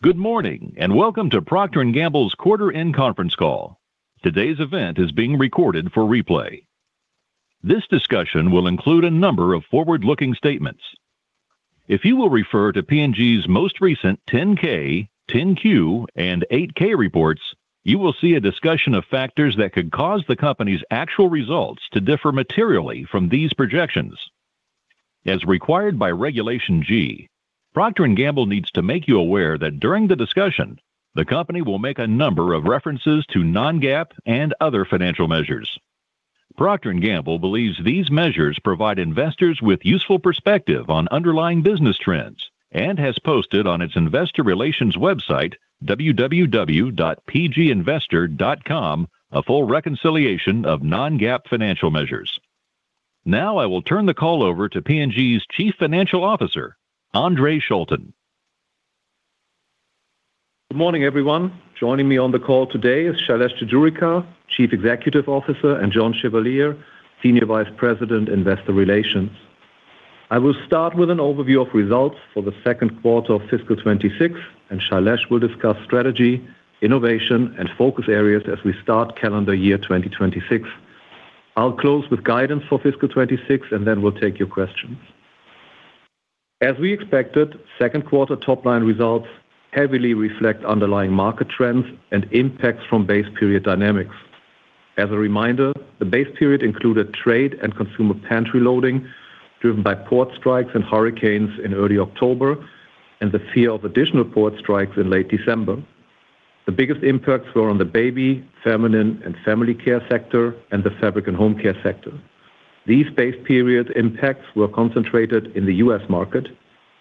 Good morning and welcome to Procter & Gamble's quarter-end conference call. Today's event is being recorded for replay. This discussion will include a number of forward-looking statements. If you will refer to P&G's most recent 10-K, 10-Q, and 8-K reports, you will see a discussion of factors that could cause the company's actual results to differ materially from these projections. As required by Regulation G, Procter & Gamble needs to make you aware that during the discussion, the company will make a number of references to non-GAAP and other financial measures. Procter & Gamble believes these measures provide investors with useful perspective on underlying business trends and has posted on its investor relations website, www.pginvestor.com, a full reconciliation of non-GAAP financial measures. Now I will turn the call over to P&G's Chief Financial Officer, Andre Schulten. Good morning, everyone. Joining me on the call today is Shailesh Jejurikar, Chief Executive Officer, and John Chevalier, Senior Vice President, Investor Relations. I will start with an overview of results for the second quarter of fiscal 2026, and Shailesh will discuss strategy, innovation, and focus areas as we start calendar year 2026. I'll close with guidance for fiscal 2026, and then we'll take your questions. As we expected, second quarter top-line results heavily reflect underlying market trends and impacts from base period dynamics. As a reminder, the base period included trade and consumer pantry loading driven by port strikes and hurricanes in early October and the fear of additional port strikes in late December. The biggest impacts were on the baby, feminine, and family care sector and the fabric and home care sector. These base period impacts were concentrated in the U.S. market.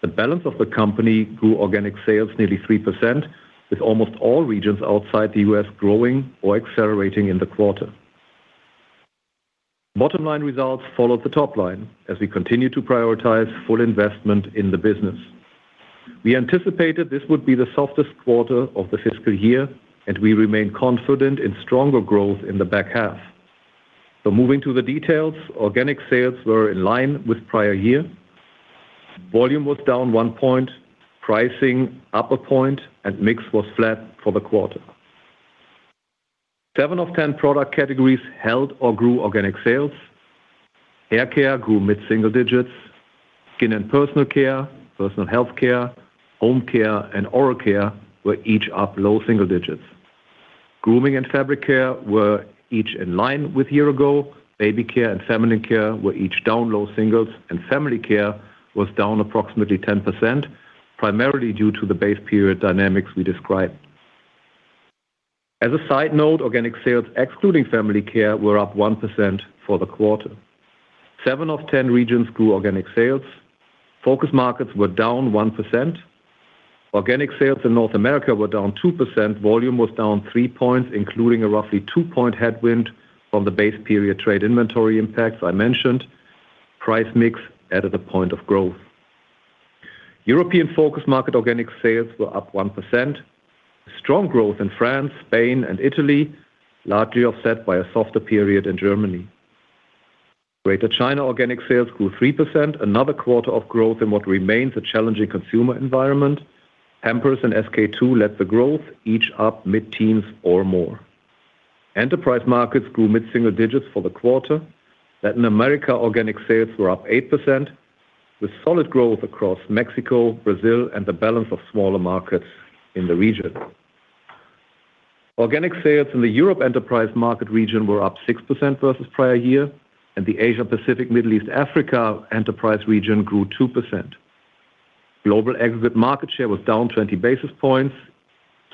The business of the company grew organic sales nearly 3%, with almost all regions outside the U.S. growing or accelerating in the quarter. Bottom-line results followed the top line as we continue to prioritize full investment in the business. We anticipated this would be the softest quarter of the fiscal year, and we remain confident in stronger growth in the back half. So moving to the details, organic sales were in line with prior year. Volume was down one point, pricing up a point, and mix was flat for the quarter. Seven of 10 product categories held or grew organic sales. Hair care grew mid-single digits. Skin and personal care, personal health care, home care, and oral care were each up low single digits. Grooming and fabric care were each in line with year ago. Baby care and family care were each down low singles, and family care was down approximately 10%, primarily due to the base period dynamics we described. As a side note, organic sales excluding family care were up 1% for the quarter. Seven of 10 regions grew organic sales. Focus markets were down 1%. Organic sales in North America were down 2%. Volume was down three points, including a roughly two-point headwind from the base period trade inventory impacts I mentioned. Price mix added a point of growth. European focus market organic sales were up 1%. Strong growth in France, Spain, and Italy, largely offset by a softer period in Germany. Greater China organic sales grew 3%, another quarter of growth in what remains a challenging consumer environment. Pampers and SK-II led the growth, each up mid-teens or more. Enterprise Markets grew mid-single digits for the quarter. Latin America organic sales were up 8%, with solid growth across Mexico, Brazil, and the balance of smaller markets in the region. Organic sales in the Europe Enterprise Market region were up 6% versus prior year, and the Asia-Pacific, Middle East, Africa enterprise region grew 2%. Global market share was down 20 basis points.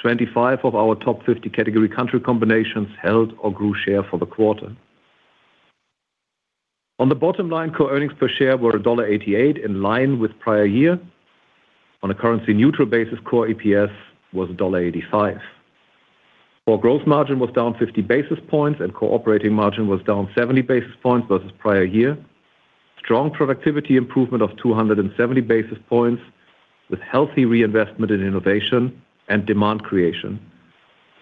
25 of our top 50 category country combinations held or grew share for the quarter. On the bottom line, core earnings per share were $1.88, in line with prior year. On a currency-neutral basis, core EPS was $1.85. Core gross margin was down 50 basis points, and operating margin was down 70 basis points versus prior year. Strong productivity improvement of 270 basis points, with healthy reinvestment in innovation and demand creation.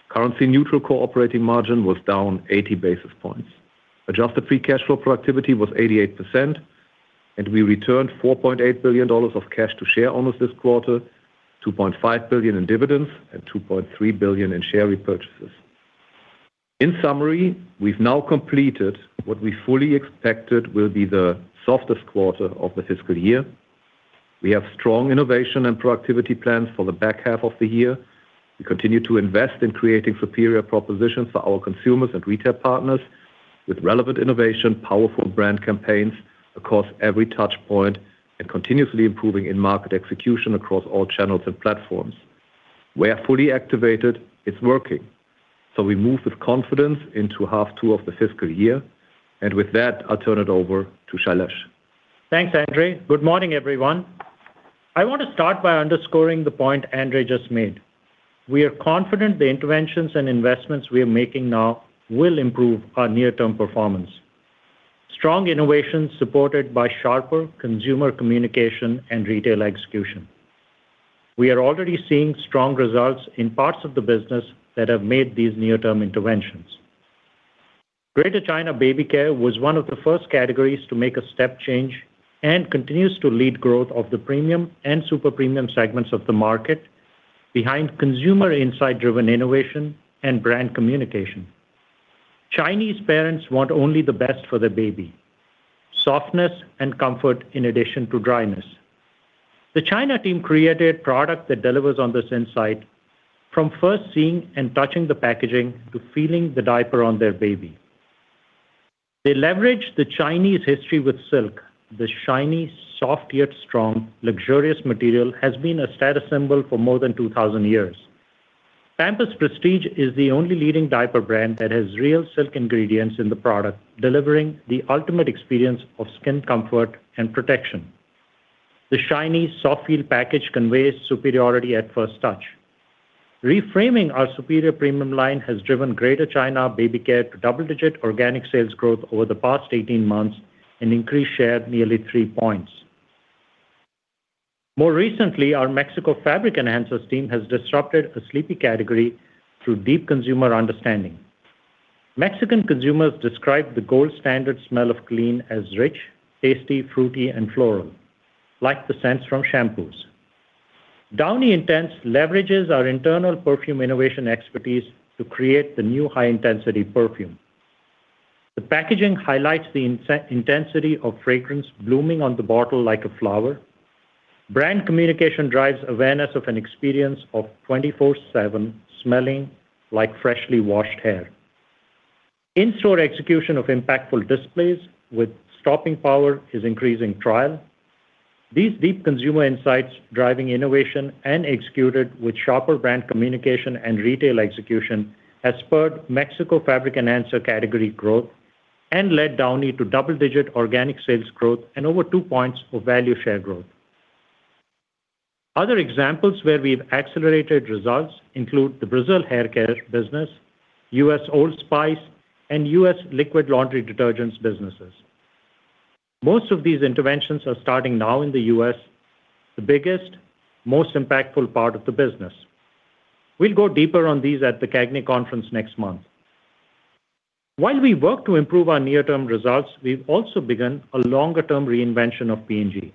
Currency-neutral operating margin was down 80 basis points. Adjusted Free Cash Flow Productivity was 88%, and we returned $4.8 billion of cash to shareowners this quarter, $2.5 billion in dividends and $2.3 billion in share repurchases. In summary, we've now completed what we fully expected will be the softest quarter of the fiscal year. We have strong innovation and productivity plans for the back half of the year. We continue to invest in creating superior propositions for our consumers and retail partners, with relevant innovation, powerful brand campaigns across every touchpoint, and continuously improving in market execution across all channels and platforms. We're fully activated. It's working. So we move with confidence into half two of the fiscal year. And with that, I'll turn it over to Shailesh. Thanks, Andre. Good morning, everyone. I want to start by underscoring the point Andre just made. We are confident the interventions and investments we are making now will improve our near-term performance. Strong innovations supported by sharper consumer communication and retail execution. We are already seeing strong results in parts of the business that have made these near-term interventions. Greater China baby care was one of the first categories to make a step change and continues to lead growth of the premium and super premium segments of the market behind consumer insight-driven innovation and brand communication. Chinese parents want only the best for their baby. Softness and comfort in addition to dryness. The China team created a product that delivers on this insight, from first seeing and touching the packaging to feeling the diaper on their baby. They leverage the Chinese history with silk. The shiny, soft yet strong, luxurious material has been a status symbol for more than 2,000 years. Pampers Prestige is the only leading diaper brand that has real silk ingredients in the product, delivering the ultimate experience of skin comfort and protection. The shiny, soft-feel package conveys superiority at first touch. Reframing our superior premium line has driven Greater China baby care to double-digit organic sales growth over the past 18 months and increased share nearly three points. More recently, our Mexico fabric enhancers team has disrupted a sleepy category through deep consumer understanding. Mexican consumers describe the gold standard smell of clean as rich, tasty, fruity, and floral, like the scents from shampoos. Downy Intense leverages our internal perfume innovation expertise to create the new high-intensity perfume. The packaging highlights the intensity of fragrance blooming on the bottle like a flower. Brand communication drives awareness of an experience of 24/7 smelling like freshly washed hair. In-store execution of impactful displays with stopping power is increasing trial. These deep consumer insights driving innovation and executed with sharper brand communication and retail execution has spurred Mexico fabric enhancer category growth and led Downy to double-digit organic sales growth and over two points of value share growth. Other examples where we've accelerated results include the Brazil hair care business, U.S. Old Spice, and U.S. liquid laundry detergents businesses. Most of these interventions are starting now in the U.S., the biggest, most impactful part of the business. We'll go deeper on these at the CAGNY Conference next month. While we work to improve our near-term results, we've also begun a longer-term reinvention of P&G.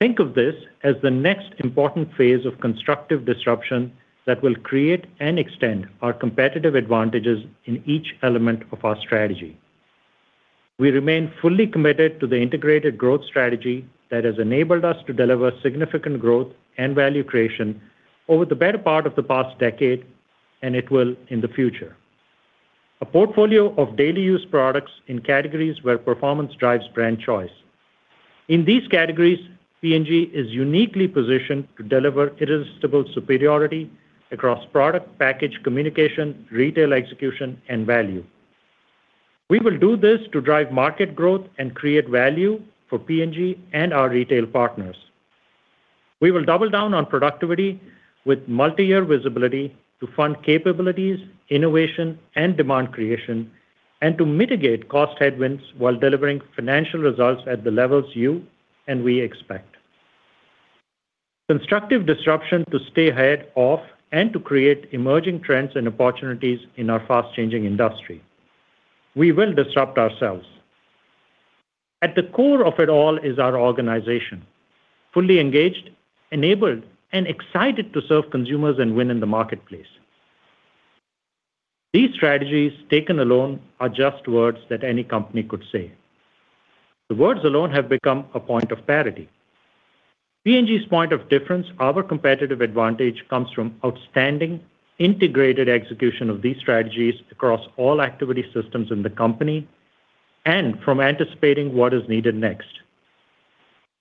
Think of this as the next important phase of constructive disruption that will create and extend our competitive advantages in each element of our strategy. We remain fully committed to the integrated growth strategy that has enabled us to deliver significant growth and value creation over the better part of the past decade, and it will in the future. A portfolio of daily use products in categories where performance drives brand choice. In these categories, P&G is uniquely positioned to deliver irresistible superiority across product, package, communication, retail execution, and value. We will do this to drive market growth and create value for P&G and our retail partners. We will double down on productivity with multi-year visibility to fund capabilities, innovation, and demand creation, and to mitigate cost headwinds while delivering financial results at the levels you and we expect. Constructive disruption to stay ahead of and to create emerging trends and opportunities in our fast-changing industry. We will disrupt ourselves. At the core of it all is our organization. Fully engaged, enabled, and excited to serve consumers and win in the marketplace. These strategies taken alone are just words that any company could say. The words alone have become a point of parity. P&G's point of difference, our competitive advantage, comes from outstanding integrated execution of these strategies across all activity systems in the company and from anticipating what is needed next.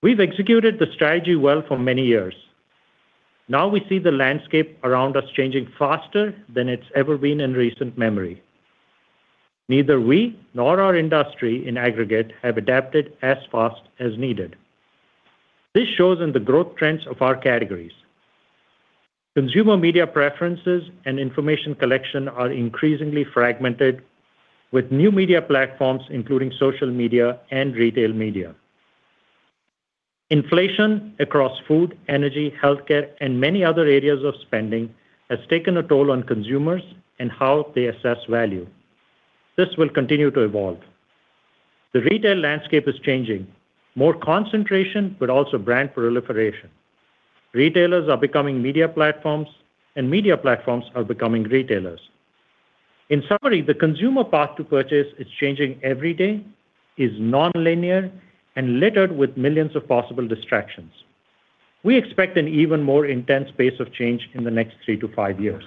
We've executed the strategy well for many years. Now we see the landscape around us changing faster than it's ever been in recent memory. Neither we nor our industry in aggregate have adapted as fast as needed. This shows in the growth trends of our categories. Consumer media preferences and information collection are increasingly fragmented, with new media platforms including social media and retail media. Inflation across food, energy, health care, and many other areas of spending has taken a toll on consumers and how they assess value. This will continue to evolve. The retail landscape is changing. More concentration, but also brand proliferation. Retailers are becoming media platforms, and media platforms are becoming retailers. In summary, the consumer path to purchase is changing every day, is non-linear, and littered with millions of possible distractions. We expect an even more intense pace of change in the next three to five years.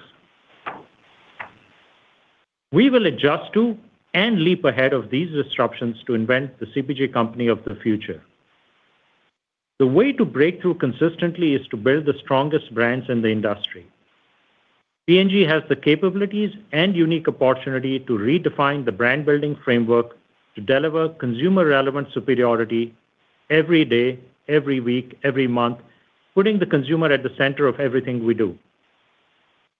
We will adjust to and leap ahead of these disruptions to invent the CPG company of the future. The way to break through consistently is to build the strongest brands in the industry. P&G has the capabilities and unique opportunity to redefine the brand-building framework to deliver consumer-relevant superiority every day, every week, every month, putting the consumer at the center of everything we do.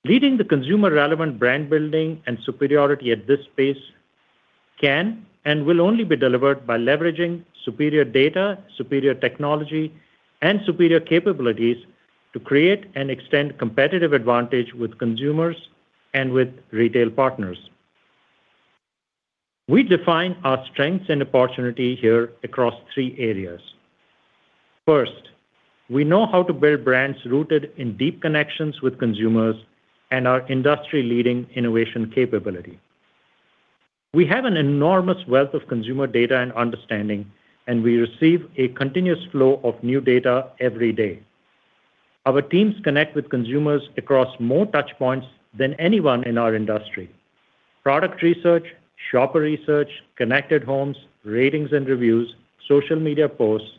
Leading the consumer-relevant brand-building and superiority at this pace can and will only be delivered by leveraging superior data, superior technology, and superior capabilities to create and extend competitive advantage with consumers and with retail partners. We define our strengths and opportunity here across three areas. First, we know how to build brands rooted in deep connections with consumers and our industry-leading innovation capability. We have an enormous wealth of consumer data and understanding, and we receive a continuous flow of new data every day. Our teams connect with consumers across more touchpoints than anyone in our industry: product research, shopper research, connected homes, ratings and reviews, social media posts,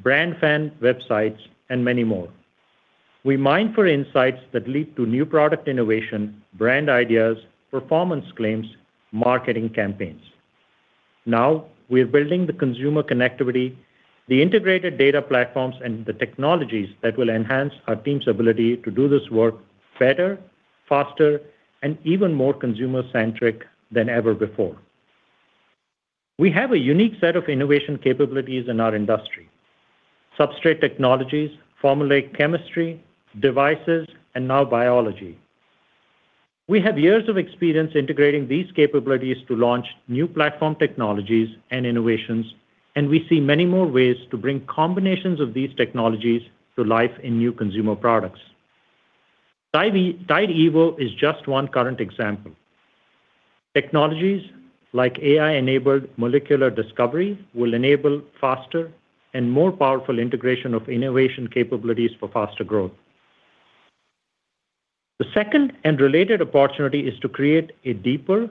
brand fan websites, and many more. We mine for insights that lead to new product innovation, brand ideas, performance claims, marketing campaigns. Now we are building the consumer connectivity, the integrated data platforms, and the technologies that will enhance our team's ability to do this work better, faster, and even more consumer-centric than ever before. We have a unique set of innovation capabilities in our industry: substrate technologies, formulaic chemistry, devices, and now biology. We have years of experience integrating these capabilities to launch new platform technologies and innovations, and we see many more ways to bring combinations of these technologies to life in new consumer products. Tide evo is just one current example. Technologies like AI-enabled molecular discovery will enable faster and more powerful integration of innovation capabilities for faster growth. The second and related opportunity is to create a deeper,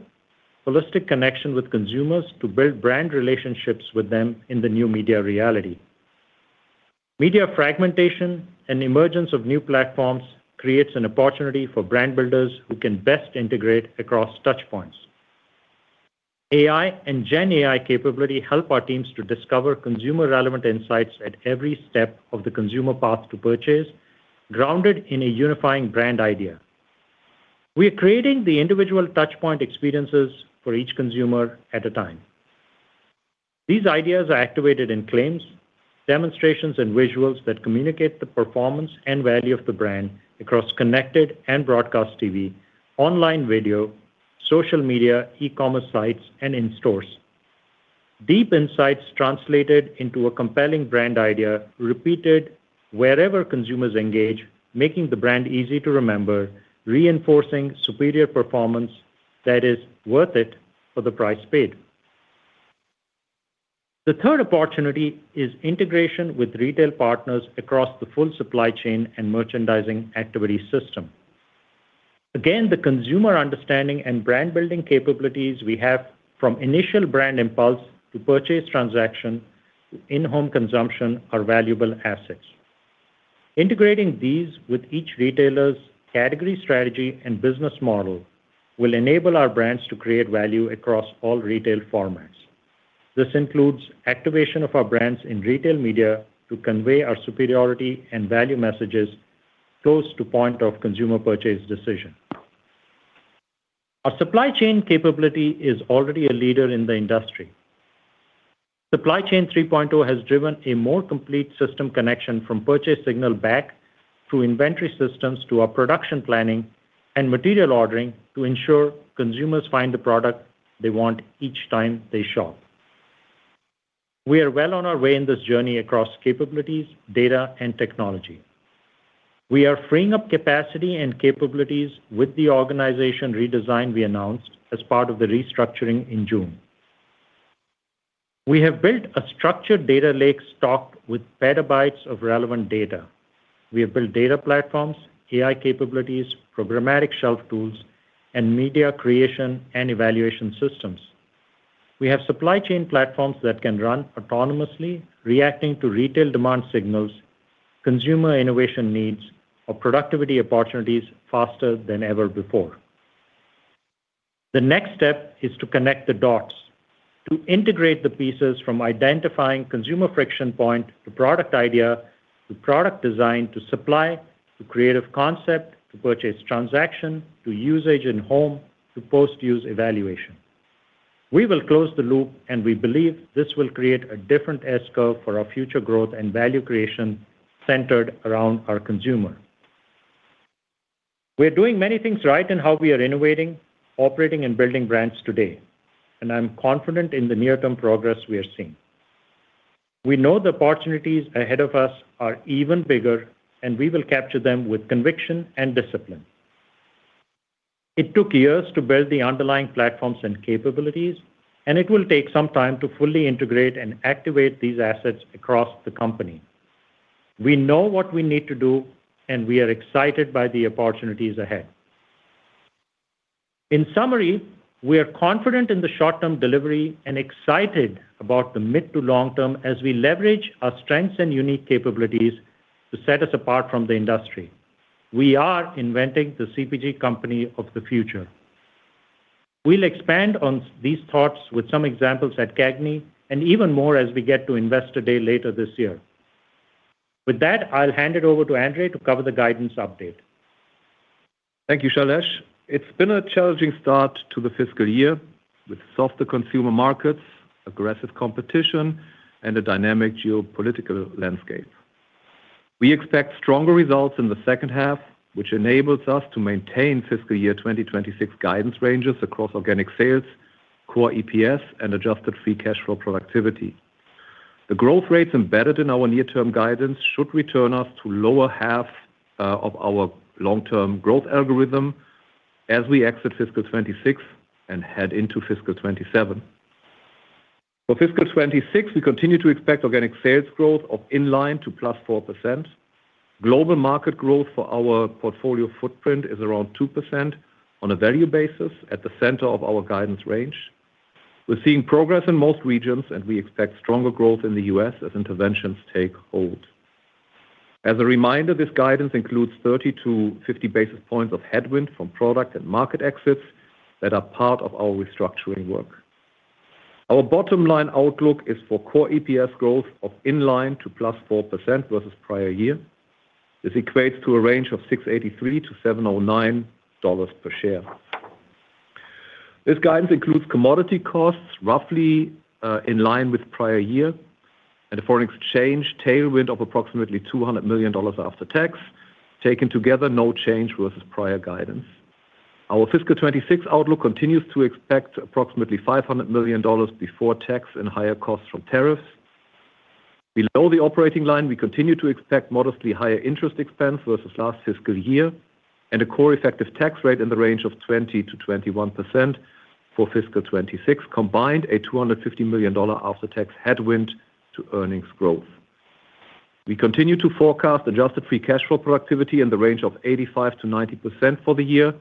holistic connection with consumers to build brand relationships with them in the new media reality. Media fragmentation and emergence of new platforms creates an opportunity for brand builders who can best integrate across touchpoints. AI and GenAI capability help our teams to discover consumer-relevant insights at every step of the consumer path to purchase, grounded in a unifying brand idea. We are creating the individual touchpoint experiences for each consumer at a time. These ideas are activated in claims, demonstrations, and visuals that communicate the performance and value of the brand across connected and broadcast TV, online video, social media, e-commerce sites, and in stores. Deep insights translated into a compelling brand idea repeated wherever consumers engage, making the brand easy to remember, reinforcing superior performance that is worth it for the price paid. The third opportunity is integration with retail partners across the full supply chain and merchandising activity system. Again, the consumer understanding and brand-building capabilities we have from initial brand impulse to purchase transaction to in-home consumption are valuable assets. Integrating these with each retailer's category strategy and business model will enable our brands to create value across all retail formats. This includes activation of our brands in retail media to convey our superiority and value messages close to point of consumer purchase decision. Our supply chain capability is already a leader in the industry. Supply Chain 3.0 has driven a more complete system connection from purchase signal back through inventory systems to our production planning and material ordering to ensure consumers find the product they want each time they shop. We are well on our way in this journey across capabilities, data, and technology. We are freeing up capacity and capabilities with the organization redesign we announced as part of the restructuring in June. We have built a structured data lake stocked with petabytes of relevant data. We have built data platforms, AI capabilities, programmatic shelf tools, and media creation and evaluation systems. We have supply chain platforms that can run autonomously, reacting to retail demand signals, consumer innovation needs, or productivity opportunities faster than ever before. The next step is to connect the dots, to integrate the pieces from identifying consumer friction point to product idea to product design to supply to creative concept to purchase transaction to usage in home to post-use evaluation. We will close the loop, and we believe this will create a different S-curve for our future growth and value creation centered around our consumer. We are doing many things right in how we are innovating, operating, and building brands today, and I'm confident in the near-term progress we are seeing. We know the opportunities ahead of us are even bigger, and we will capture them with conviction and discipline. It took years to build the underlying platforms and capabilities, and it will take some time to fully integrate and activate these assets across the company. We know what we need to do, and we are excited by the opportunities ahead. In summary, we are confident in the short-term delivery and excited about the mid to long term as we leverage our strengths and unique capabilities to set us apart from the industry. We are inventing the CPG company of the future. We'll expand on these thoughts with some examples at CAGNY and even more as we get to Investor Day later this year. With that, I'll hand it over to Andre to cover the guidance update. Thank you, Shailesh. It's been a challenging start to the fiscal year with softer consumer markets, aggressive competition, and a dynamic geopolitical landscape. We expect stronger results in the second half, which enables us to maintain fiscal year 2026 guidance ranges across organic sales, core EPS, and adjusted free cash flow productivity. The growth rates embedded in our near-term guidance should return us to the lower half of our long-term growth algorithm as we exit fiscal 2026 and head into fiscal 2027. For fiscal 2026, we continue to expect organic sales growth of in line to plus 4%. Global market growth for our portfolio footprint is around 2% on a value basis at the center of our guidance range. We're seeing progress in most regions, and we expect stronger growth in the U.S. as interventions take hold. As a reminder, this guidance includes 30 to 50 basis points of headwind from product and market exits that are part of our restructuring work. Our bottom-line outlook is for core EPS growth of inline to plus 4% versus prior year. This equates to a range of $6.83–$7.09 per share. This guidance includes commodity costs roughly in line with prior year and a foreign exchange tailwind of approximately $200 million after tax. Taken together, no change versus prior guidance. Our fiscal 2026 outlook continues to expect approximately $500 million before tax and higher costs from tariffs. Below the operating line, we continue to expect modestly higher interest expense versus last fiscal year and a core effective tax rate in the range of 20%-21% for fiscal 2026, combined a $250 million after-tax headwind to earnings growth. We continue to forecast adjusted free cash flow productivity in the range of 85%-90% for the year,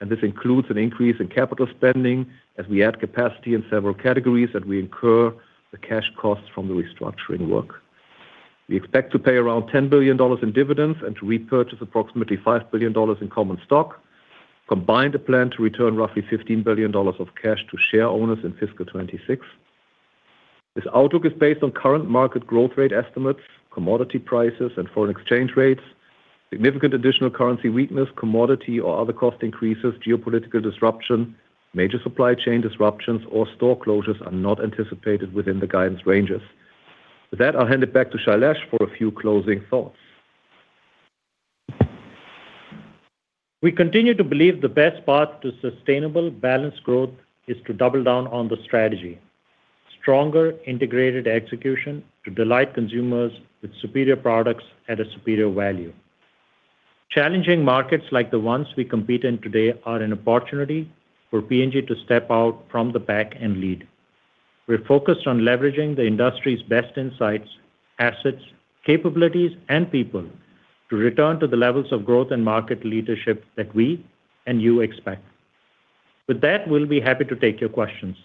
and this includes an increase in capital spending as we add capacity in several categories that we incur the cash costs from the restructuring work. We expect to pay around $10 billion in dividends and to repurchase approximately $5 billion in common stock, combined a plan to return roughly $15 billion of cash to share owners in fiscal 2026. This outlook is based on current market growth rate estimates, commodity prices, and foreign exchange rates. Significant additional currency weakness, commodity or other cost increases, geopolitical disruption, major supply chain disruptions, or store closures are not anticipated within the guidance ranges. With that, I'll hand it back to Shailesh for a few closing thoughts. We continue to believe the best path to sustainable balanced growth is to double down on the strategy. Stronger integrated execution to delight consumers with superior products at a superior value. Challenging markets like the ones we compete in today are an opportunity for P&G to step out from the back and lead. We're focused on leveraging the industry's best insights, assets, capabilities, and people to return to the levels of growth and market leadership that we and you expect. With that, we'll be happy to take your questions.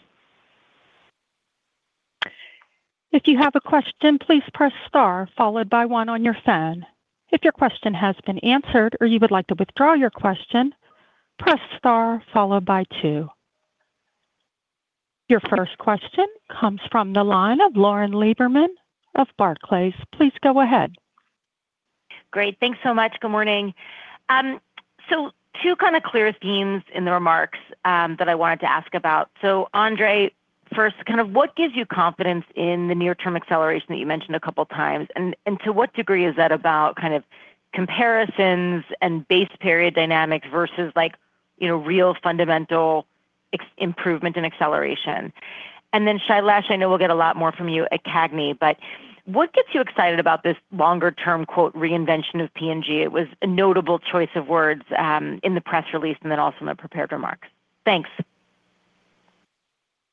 If you have a question, please press star followed by one on your phone. If your question has been answered or you would like to withdraw your question, press star followed by two. Your first question comes from the line of Lauren Lieberman of Barclays. Please go ahead. Great. Thanks so much. Good morning. Two kind of clear themes in the remarks that I wanted to ask about. Andre first, kind of what gives you confidence in the near-term acceleration that you mentioned a couple of times? And to what degree is that about kind of comparisons and base period dynamics versus real fundamental improvement and acceleration? And then Shailesh, I know we'll get a lot more from you at CAGNY, but what gets you excited about this longer-term "reinvention" of P&G? It was a notable choice of words in the press release and then also in the prepared remarks. Thanks.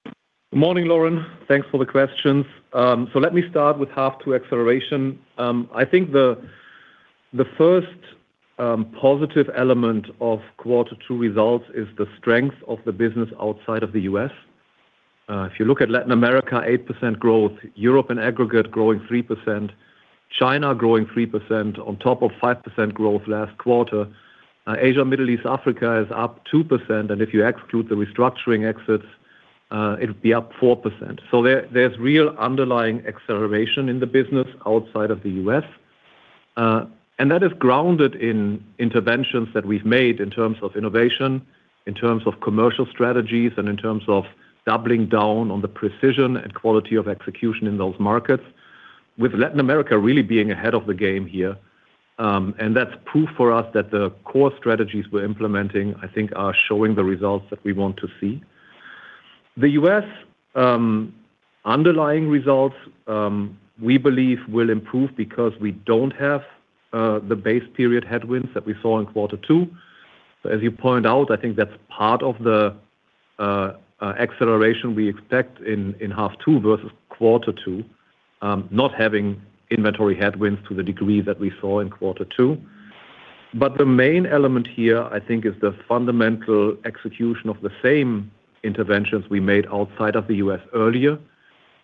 Good morning, Lauren. Thanks for the questions. So let me start with the acceleration. I think the first positive element of quarter two results is the strength of the business outside of the U.S.. If you look at Latin America, 8% growth. Europe in aggregate growing 3%. China growing 3% on top of 5% growth last quarter. Asia, Middle East, Africa is up 2%, and if you exclude the restructuring exits, it would be up 4%. So there's real underlying acceleration in the business outside of the U.S., and that is grounded in interventions that we've made in terms of innovation, in terms of commercial strategies, and in terms of doubling down on the precision and quality of execution in those markets, with Latin America really being ahead of the game here. And that's proof for us that the core strategies we're implementing, I think, are showing the results that we want to see. The U.S. underlying results, we believe, will improve because we don't have the base period headwinds that we saw in quarter two. As you point out, I think that's part of the acceleration we expect in half two versus quarter two, not having inventory headwinds to the degree that we saw in quarter two. But the main element here, I think, is the fundamental execution of the same interventions we made outside of the U.S. earlier.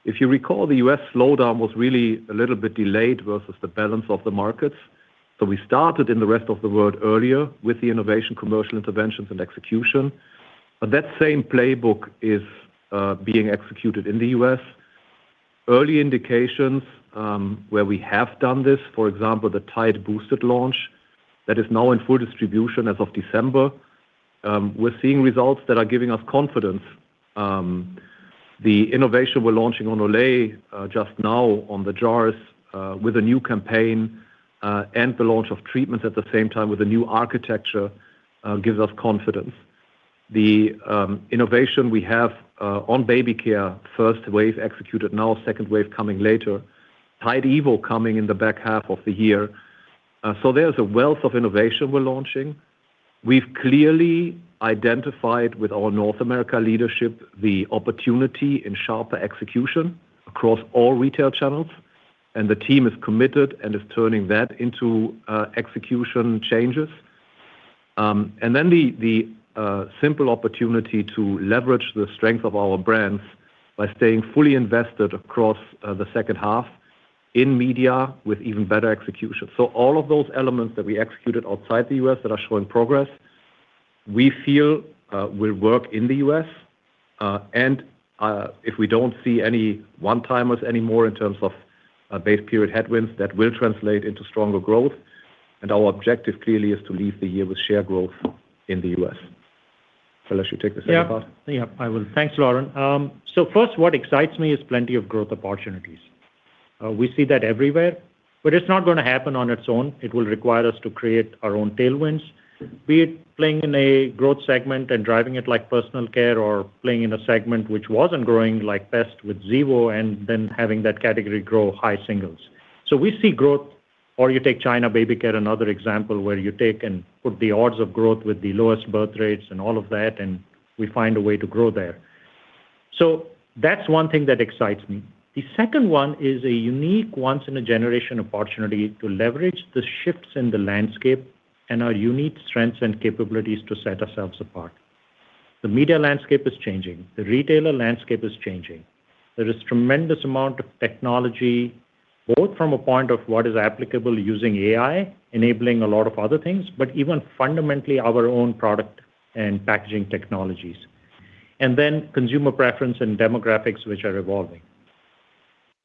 If you recall, the U.S. slowdown was really a little bit delayed versus the balance of the markets. So we started in the rest of the world earlier with the innovation, commercial interventions, and execution, but that same playbook is being executed in the U.S. Early indications where we have done this, for example, the Tide boosted launch that is now in full distribution as of December, we're seeing results that are giving us confidence. The innovation we're launching on Olay just now on the jars with a new campaign and the launch of treatments at the same time with a new architecture gives us confidence. The innovation we have on baby care, first wave executed now, second wave coming later, Tide evo coming in the back half of the year. So there's a wealth of innovation we're launching. We've clearly identified with our North America leadership the opportunity in sharper execution across all retail channels, and the team is committed and is turning that into execution changes. And then the simple opportunity to leverage the strength of our brands by staying fully invested across the second half in media with even better execution. So all of those elements that we executed outside the U.S. that are showing progress, we feel will work in the U.S.. And if we don't see any one-timers anymore in terms of base period headwinds, that will translate into stronger growth. And our objective clearly is to leave the year with share growth in the U.S. Shailesh, you take the same part. Yeah, I will. Thanks, Lauren. So first, what excites me is plenty of growth opportunities. We see that everywhere, but it's not going to happen on its own. It will require us to create our own tailwinds, be it playing in a growth segment and driving it like personal care or playing in a segment which wasn't growing like Tide with Evo and then having that category grow high singles. So we see growth, or you take China baby care another example where you take and put the odds of growth with the lowest birth rates and all of that, and we find a way to grow there. So that's one thing that excites me. The second one is a unique once-in-a-generation opportunity to leverage the shifts in the landscape and our unique strengths and capabilities to set ourselves apart. The media landscape is changing. The retailer landscape is changing. There is a tremendous amount of technology, both from a point of what is applicable using AI, enabling a lot of other things, but even fundamentally our own product and packaging technologies, and then consumer preference and demographics, which are evolving.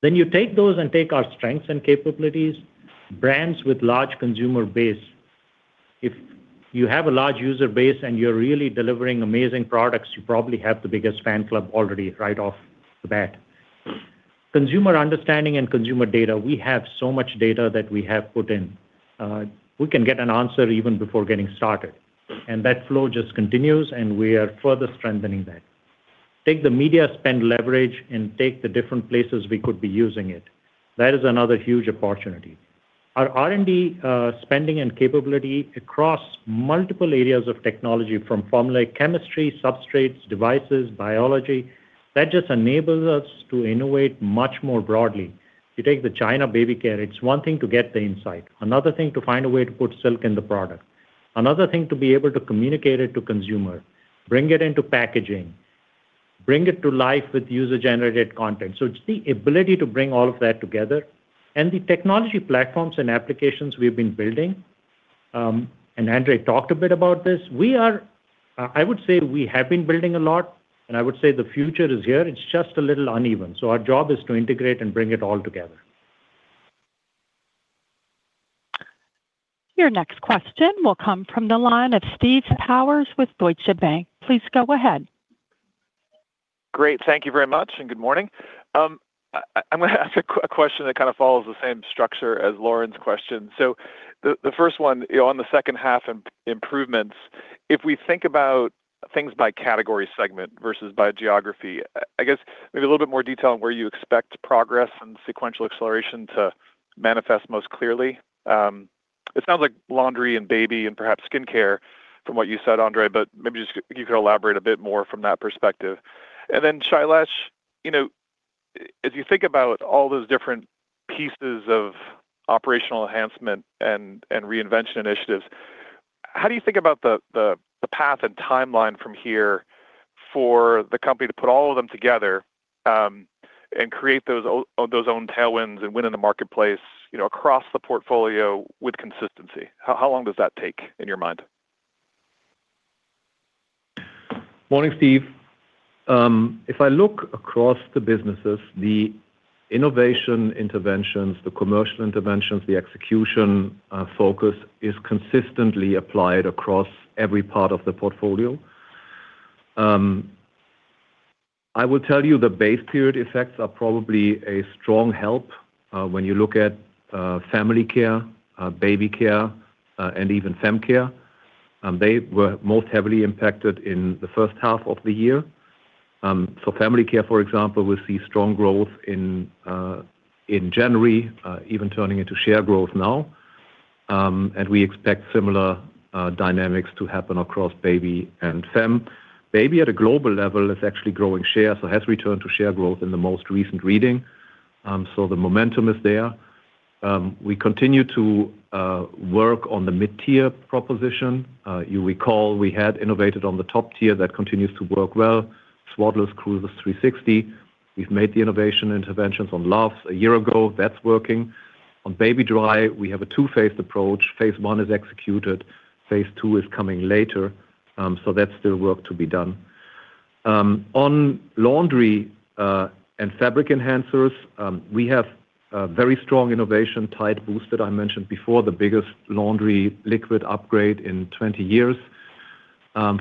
Then you take those and take our strengths and capabilities, brands with large consumer base. If you have a large user base and you're really delivering amazing products, you probably have the biggest fan club already right off the bat. Consumer understanding and consumer data, we have so much data that we have put in. We can get an answer even before getting started, and that flow just continues, and we are further strengthening that. Take the media spend leverage and take the different places we could be using it. That is another huge opportunity. Our R&D spending and capability across multiple areas of technology from formulaic chemistry, substrates, devices, biology, that just enables us to innovate much more broadly. You take the China baby care. It's one thing to get the insight, another thing to find a way to put silk in the product, another thing to be able to communicate it to consumer, bring it into packaging, bring it to life with user-generated content. So it's the ability to bring all of that together and the technology platforms and applications we've been building. And Andre talked a bit about this. I would say we have been building a lot, and I would say the future is here. It's just a little uneven. So our job is to integrate and bring it all together. Your next question will come from the line of Steve Powers with Deutsche Bank. Please go ahead. Great. Thank you very much and good morning. I'm going to ask a question that kind of follows the same structure as Lauren's question. So the first one on the second half and improvements, if we think about things by category segment versus by geography, I guess maybe a little bit more detail on where you expect progress and sequential acceleration to manifest most clearly. It sounds like laundry and baby and perhaps skincare from what you said, Andre, but maybe just you could elaborate a bit more from that perspective. Then Shailesh, as you think about all those different pieces of operational enhancement and reinvention initiatives, how do you think about the path and timeline from here for the company to put all of them together and create those own tailwinds and win in the marketplace across the portfolio with consistency? How long does that take in your mind? Morning, Steve. If I look across the businesses, the innovation interventions, the commercial interventions, the execution focus is consistently applied across every part of the portfolio. I will tell you the base period effects are probably a strong help when you look at family care, baby care, and even fem care. They were most heavily impacted in the first half of the year. Family care, for example, we see strong growth in January, even turning into share growth now. We expect similar dynamics to happen across baby and fem. Baby at a global level is actually growing share, so has returned to share growth in the most recent reading. So the momentum is there. We continue to work on the mid-tier proposition. You recall we had innovated on the top tier that continues to work well, Swaddlers, Cruisers 360. We've made the innovation interventions on Luvs a year ago. That's working. On Baby-Dry, we have a two-phased approach. Phase one is executed. Phase two is coming later. So that's still work to be done. On laundry and fabric enhancers, we have very strong innovation, Tide Boost I mentioned before, the biggest laundry liquid upgrade in 20 years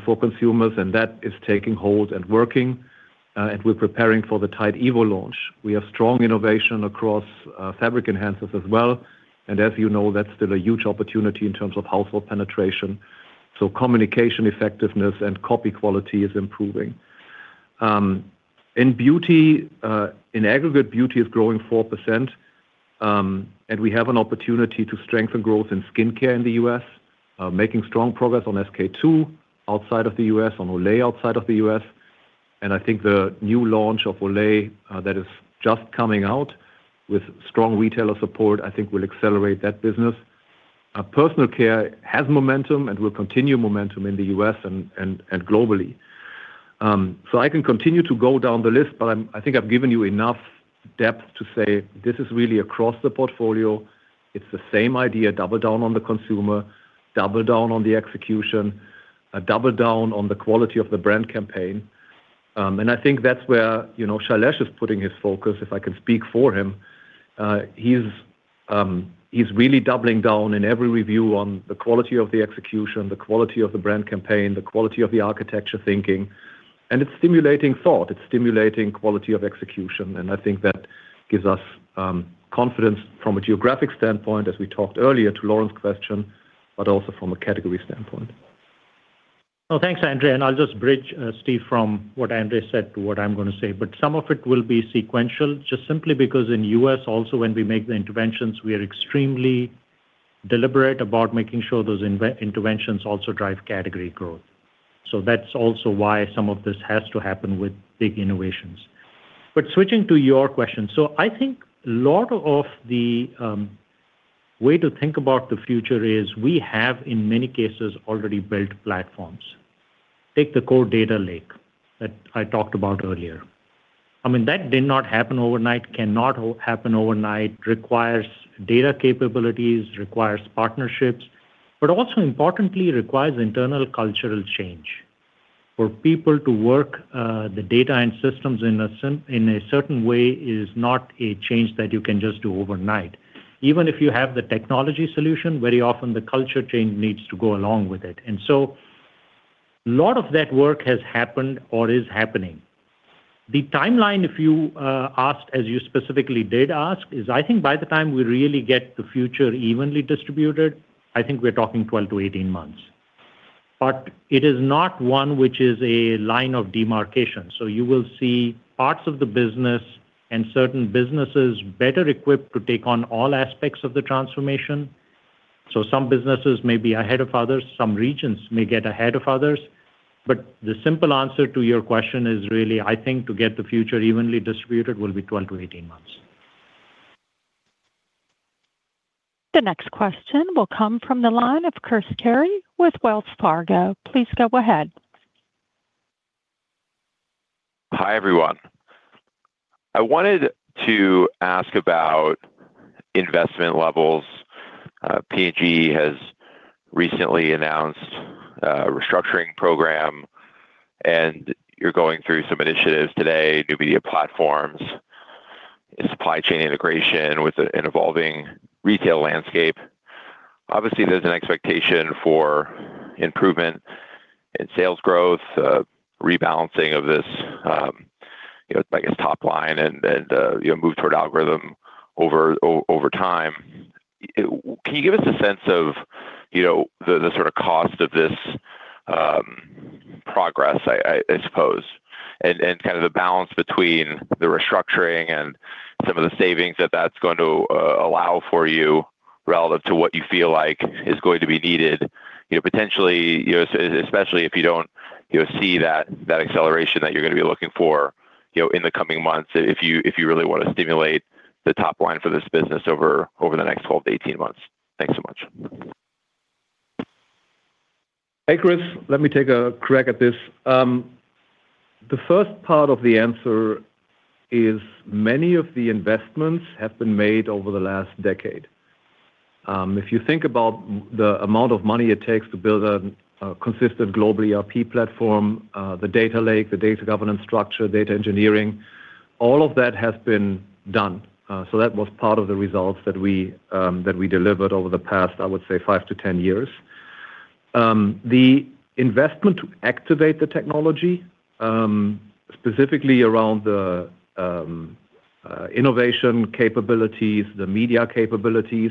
for consumers, and that is taking hold and working. And we're preparing for the Tide evo launch. We have strong innovation across fabric enhancers as well. As you know, that's still a huge opportunity in terms of household penetration. So communication effectiveness and copy quality is improving. In beauty, in aggregate, beauty is growing 4%. We have an opportunity to strengthen growth in skincare in the U.S., making strong progress on SK-II outside of the U.S., on Olay outside of the U.S. I think the new launch of Olay that is just coming out with strong retailer support, I think will accelerate that business. Personal care has momentum and will continue momentum in the U.S. and globally. So I can continue to go down the list, but I think I've given you enough depth to say this is really across the portfolio. It's the same idea, double down on the consumer, double down on the execution, double down on the quality of the brand campaign. And I think that's where Shailesh is putting his focus, if I can speak for him. He's really doubling down in every review on the quality of the execution, the quality of the brand campaign, the quality of the architecture thinking. And it's stimulating thought. It's stimulating quality of execution. And I think that gives us confidence from a geographic standpoint, as we talked earlier to Lauren's question, but also from a category standpoint. Well, thanks, Andre. And I'll just bridge Steve from what Andre said to what I'm going to say. But some of it will be sequential just simply because in the U.S., also when we make the interventions, we are extremely deliberate about making sure those interventions also drive category growth. So that's also why some of this has to happen with big innovations. But switching to your question, so I think a lot of the way to think about the future is we have, in many cases, already built platforms. Take the core data lake that I talked about earlier. I mean, that did not happen overnight, cannot happen overnight, requires data capabilities, requires partnerships, but also importantly, requires internal cultural change. For people to work the data and systems in a certain way is not a change that you can just do overnight. Even if you have the technology solution, very often the culture change needs to go along with it. And so a lot of that work has happened or is happening. The timeline, if you asked, as you specifically did ask, is I think by the time we really get the future evenly distributed, I think we're talking 12 to 18 months. But it is not one which is a line of demarcation. So you will see parts of the business and certain businesses better equipped to take on all aspects of the transformation. So some businesses may be ahead of others, some regions may get ahead of others. But the simple answer to your question is really, I think, to get the future evenly distributed will be 12 to 18 months. The next question will come from the line of Chris Carey with Wells Fargo. Please go ahead. Hi everyone. I wanted to ask about investment levels. P&G has recently announced a restructuring program, and you're going through some initiatives today, new media platforms, supply chain integration with an evolving retail landscape. Obviously, there's an expectation for improvement in sales growth, rebalancing of this, I guess, top line and move toward algorithm over time. Can you give us a sense of the sort of cost of this progress, I suppose, and kind of the balance between the restructuring and some of the savings that that's going to allow for you relative to what you feel like is going to be needed potentially, especially if you don't see that acceleration that you're going to be looking for in the coming months if you really want to stimulate the top line for this business over the next 12-18 months? Thanks so much. Hey, Chris, let me take a crack at this. The first part of the answer is many of the investments have been made over the last decade. If you think about the amount of money it takes to build a consistent global ERP platform, the data lake, the data governance structure, data engineering, all of that has been done. So that was part of the results that we delivered over the past, I would say, five to 10 years. The investment to activate the technology, specifically around the innovation capabilities, the media capabilities,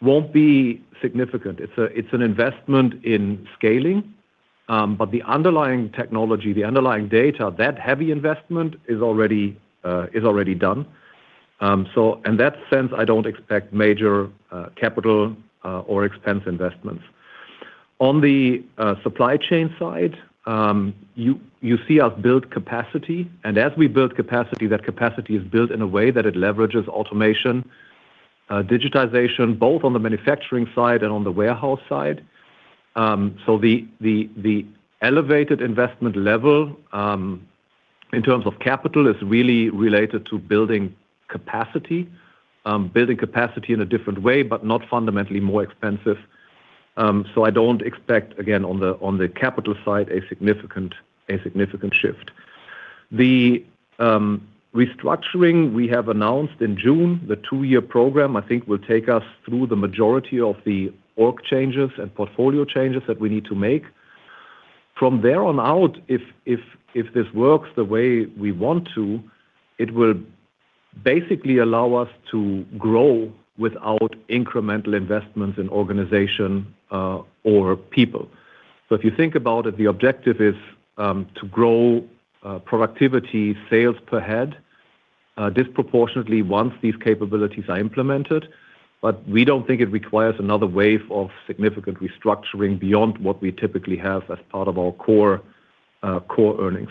won't be significant. It's an investment in scaling, but the underlying technology, the underlying data, that heavy investment is already done. So in that sense, I don't expect major capital or expense investments. On the supply chain side, you see us build capacity. And as we build capacity, that capacity is built in a way that it leverages automation, digitization, both on the manufacturing side and on the warehouse side. So the elevated investment level in terms of capital is really related to building capacity, building capacity in a different way, but not fundamentally more expensive. So I don't expect, again, on the capital side, a significant shift. The restructuring we have announced in June, the two-year program, I think will take us through the majority of the org changes and portfolio changes that we need to make. From there on out, if this works the way we want to, it will basically allow us to grow without incremental investments in organization or people. So if you think about it, the objective is to grow productivity, sales per head disproportionately once these capabilities are implemented. But we don't think it requires another wave of significant restructuring beyond what we typically have as part of our core earnings.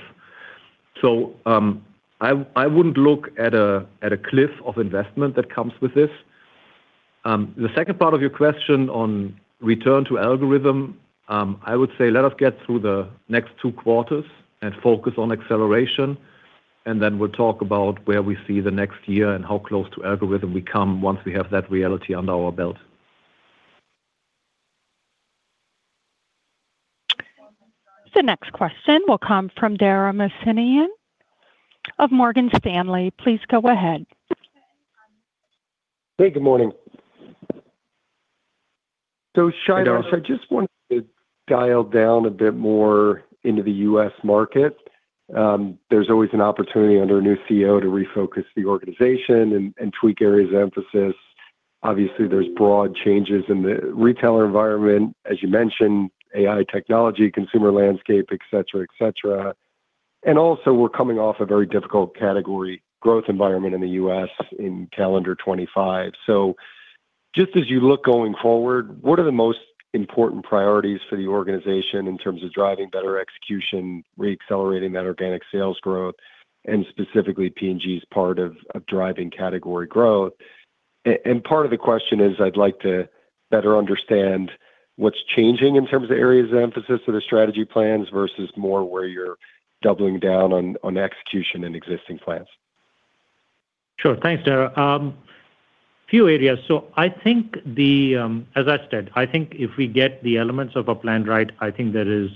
So I wouldn't look at a cliff of investment that comes with this. The second part of your question on return to algorithm, I would say let us get through the next two quarters and focus on acceleration, and then we'll talk about where we see the next year and how close to algorithm we come once we have that reality under our belt. The next question will come from Dara Mohsenian of Morgan Stanley. Please go ahead. Hey, good morning. So Shailesh, I just wanted to dial down a bit more into the U.S. market. There's always an opportunity under a new CEO to refocus the organization and tweak areas of emphasis. Obviously, there's broad changes in the retailer environment, as you mentioned, AI technology, consumer landscape, etc., etc. And also, we're coming off a very difficult category growth environment in the U.S. in calendar 2025. So just as you look going forward, what are the most important priorities for the organization in terms of driving better execution, reaccelerating that organic sales growth, and specifically P&G's part of driving category growth? And part of the question is I'd like to better understand what's changing in terms of areas of emphasis of the strategy plans versus more where you're doubling down on execution and existing plans? Sure. Thanks, Dara. Few areas. So I think, as I said, I think if we get the elements of a plan right, I think there is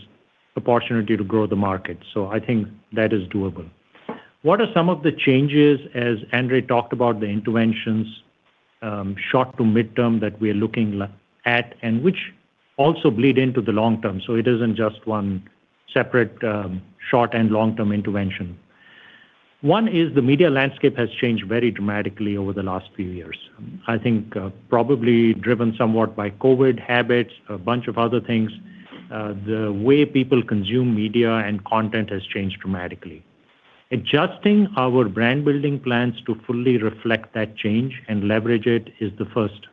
opportunity to grow the market. So I think that is doable. What are some of the changes, as Andre talked about, the interventions short to mid-term that we are looking at and which also bleed into the long term? So it isn't just one separate short and long-term intervention. One is the media landscape has changed very dramatically over the last few years. I think probably driven somewhat by COVID, habits, a bunch of other things. The way people consume media and content has changed dramatically. Adjusting our brand building plans to fully reflect that change and leverage it is the first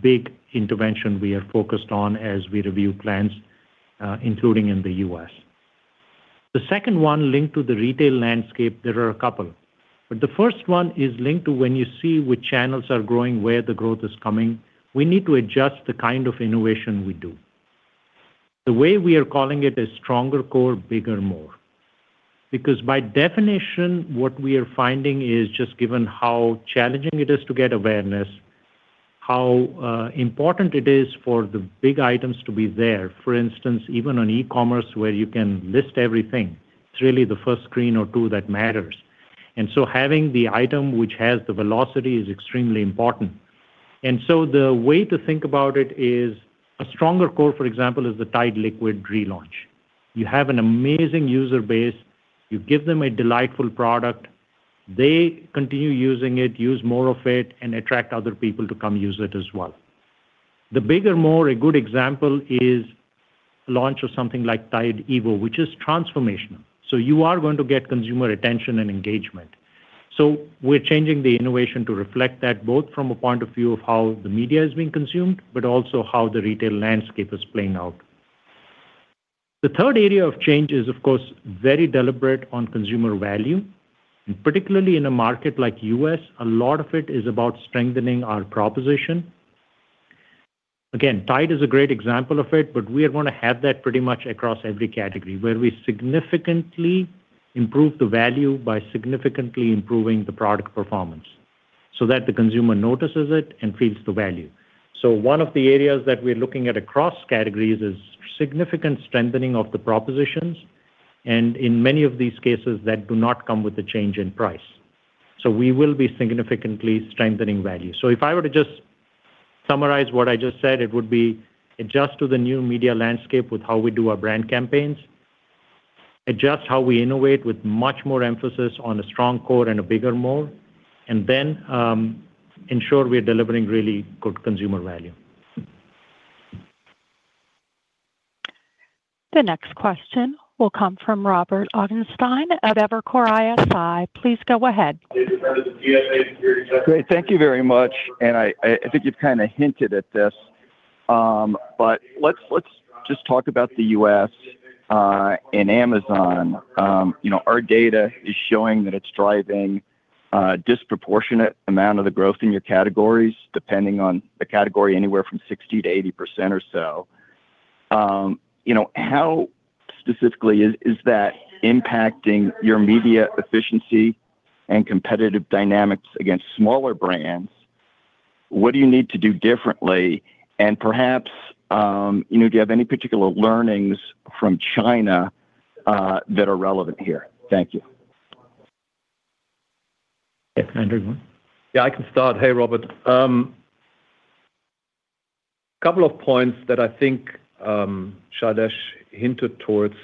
big intervention we are focused on as we review plans, including in the U.S. The second one linked to the retail landscape, there are a couple. But the first one is linked to when you see which channels are growing, where the growth is coming, we need to adjust the kind of innovation we do. The way we are calling it is stronger core, bigger more. Because by definition, what we are finding is just given how challenging it is to get awareness, how important it is for the big items to be there. For instance, even on e-commerce where you can list everything, it's really the first screen or two that matters, and so having the item which has the velocity is extremely important, and so the way to think about it is a stronger core, for example, is the Tide liquid relaunch. You have an amazing user base. You give them a delightful product. They continue using it, use more of it, and attract other people to come use it as well. The bigger more, a good example is the launch of something like Tide evo, which is transformational, so you are going to get consumer attention and engagement, so we're changing the innovation to reflect that both from a point of view of how the media is being consumed, but also how the retail landscape is playing out. The third area of change is, of course, very deliberate on consumer value. And particularly in a market like the U.S., a lot of it is about strengthening our proposition. Again, Tide is a great example of it, but we are going to have that pretty much across every category where we significantly improve the value by significantly improving the product performance so that the consumer notices it and feels the value. So one of the areas that we're looking at across categories is significant strengthening of the propositions. And in many of these cases, that do not come with a change in price. So we will be significantly strengthening value. So if I were to just summarize what I just said, it would be adjust to the new media landscape with how we do our brand campaigns, adjust how we innovate with much more emphasis on a strong core and a bigger more, and then ensure we're delivering really good consumer value. The next question will come from Robert Ottenstein at Evercore ISI. Please go ahead. Great. Thank you very much, and I think you've kind of hinted at this, but let's just talk about the U.S. and Amazon. Our data is showing that it's driving a disproportionate amount of the growth in your categories, depending on the category anywhere from 60%-80% or so. How specifically is that impacting your media efficiency and competitive dynamics against smaller brands? What do you need to do differently? And perhaps, do you have any particular learnings from China that are relevant here? Thank you. Yeah, I can start. Hey, Robert. A couple of points that I think Shailesh hinted towards.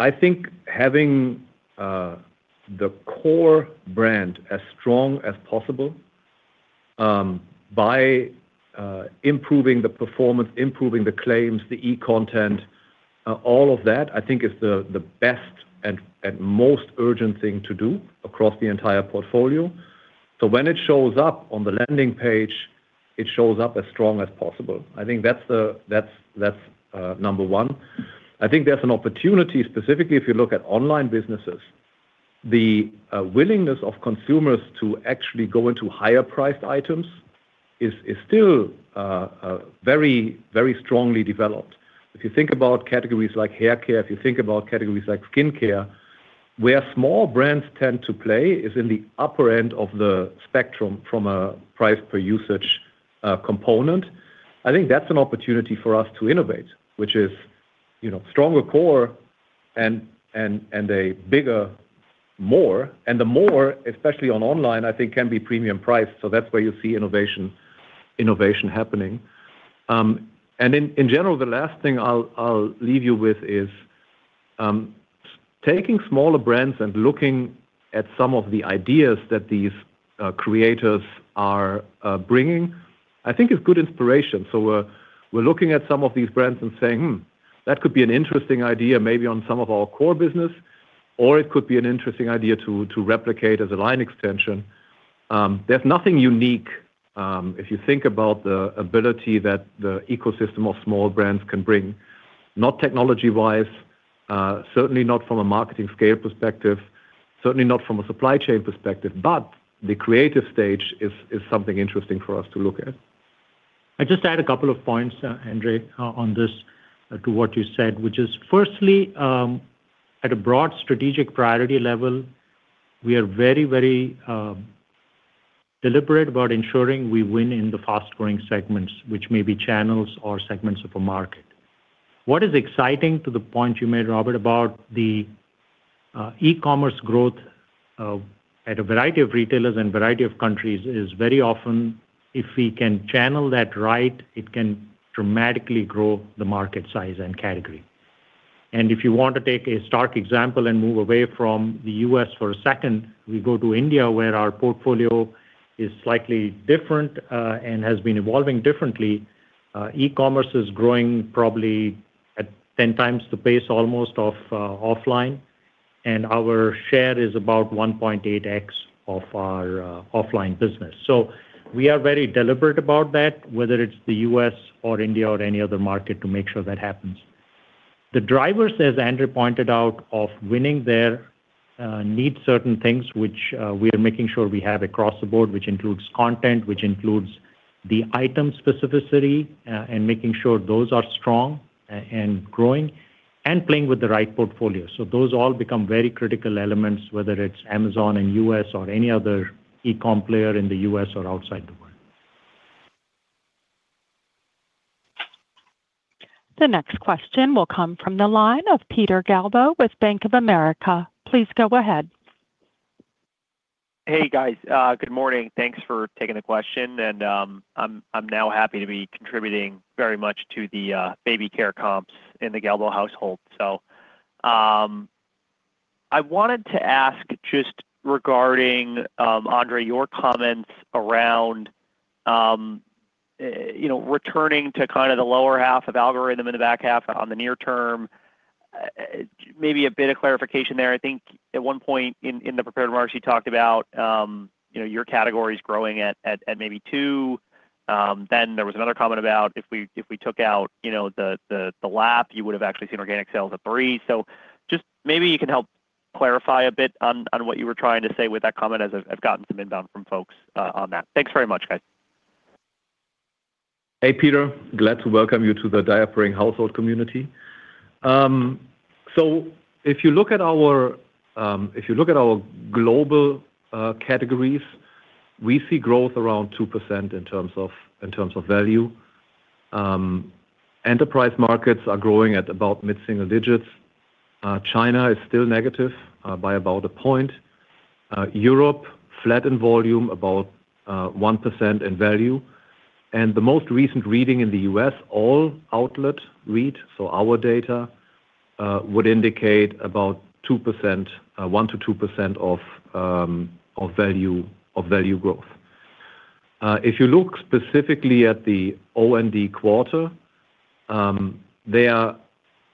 I think having the core brand as strong as possible by improving the performance, improving the claims, the e-content, all of that, I think is the best and most urgent thing to do across the entire portfolio. So when it shows up on the landing page, it shows up as strong as possible. I think that's number one. I think there's an opportunity specifically if you look at online businesses. The willingness of consumers to actually go into higher-priced items is still very, very strongly developed. If you think about categories like haircare, if you think about categories like skincare, where small brands tend to play is in the upper end of the spectrum from a price-per-usage component. I think that's an opportunity for us to innovate, which is stronger core and a bigger more. And the more, especially on online, I think can be premium priced. So that's where you see innovation happening. And in general, the last thing I'll leave you with is taking smaller brands and looking at some of the ideas that these creators are bringing. I think is good inspiration. So we're looking at some of these brands and saying, "that could be an interesting idea maybe on some of our core business," or it could be an interesting idea to replicate as a line extension. There's nothing unique if you think about the ability that the ecosystem of small brands can bring, not technology-wise, certainly not from a marketing scale perspective, certainly not from a supply chain perspective. But the creative stage is something interesting for us to look at. I just add a couple of points, Andre, on this to what you said, which is firstly, at a broad strategic priority level, we are very, very deliberate about ensuring we win in the fast-growing segments, which may be channels or segments of a market. What is exciting to the point you made, Robert, about the e-commerce growth at a variety of retailers and a variety of countries is very often, if we can channel that right, it can dramatically grow the market size and category, and if you want to take a stark example and move away from the U.S. for a second, we go to India where our portfolio is slightly different and has been evolving differently. E-commerce is growing probably at 10 times the pace almost of offline, and our share is about 1.8x of our offline business. So we are very deliberate about that, whether it's the U.S. or India or any other market, to make sure that happens. The drivers, as Andre pointed out, of winning there need certain things which we are making sure we have across the board, which includes content, which includes the item specificity, and making sure those are strong and growing and playing with the right portfolio. So those all become very critical elements, whether it's Amazon and U.S. or any other e-com player in the U.S. or outside the world. The next question will come from the line of Peter Galbo with Bank of America. Please go ahead. Hey, guys. Good morning. Thanks for taking the question. And I'm now happy to be contributing very much to the baby care comps in the Galbo household. So I wanted to ask just regarding, Andre, your comments around returning to kind of the lower half of algorithm and the back half on the near term. Maybe a bit of clarification there. I think at one point in the prepared remarks, you talked about your categories growing at maybe 2%. Then there was another comment about if we took out the lap, you would have actually seen organic sales at 3%. So just maybe you can help clarify a bit on what you were trying to say with that comment as I've gotten some inbound from folks on that. Thanks very much, guys. Hey, Peter. Glad to welcome you to the Diapering household community. So if you look at our global categories, we see growth around 2% in terms of value. Enterprise Markets are growing at about mid-single digits. China is still negative by about a point. Europe flat in volume, about 1% in value. And the most recent reading in the U.S., all outlet read, so our data would indicate about 1%-2% value growth. If you look specifically at the OND quarter,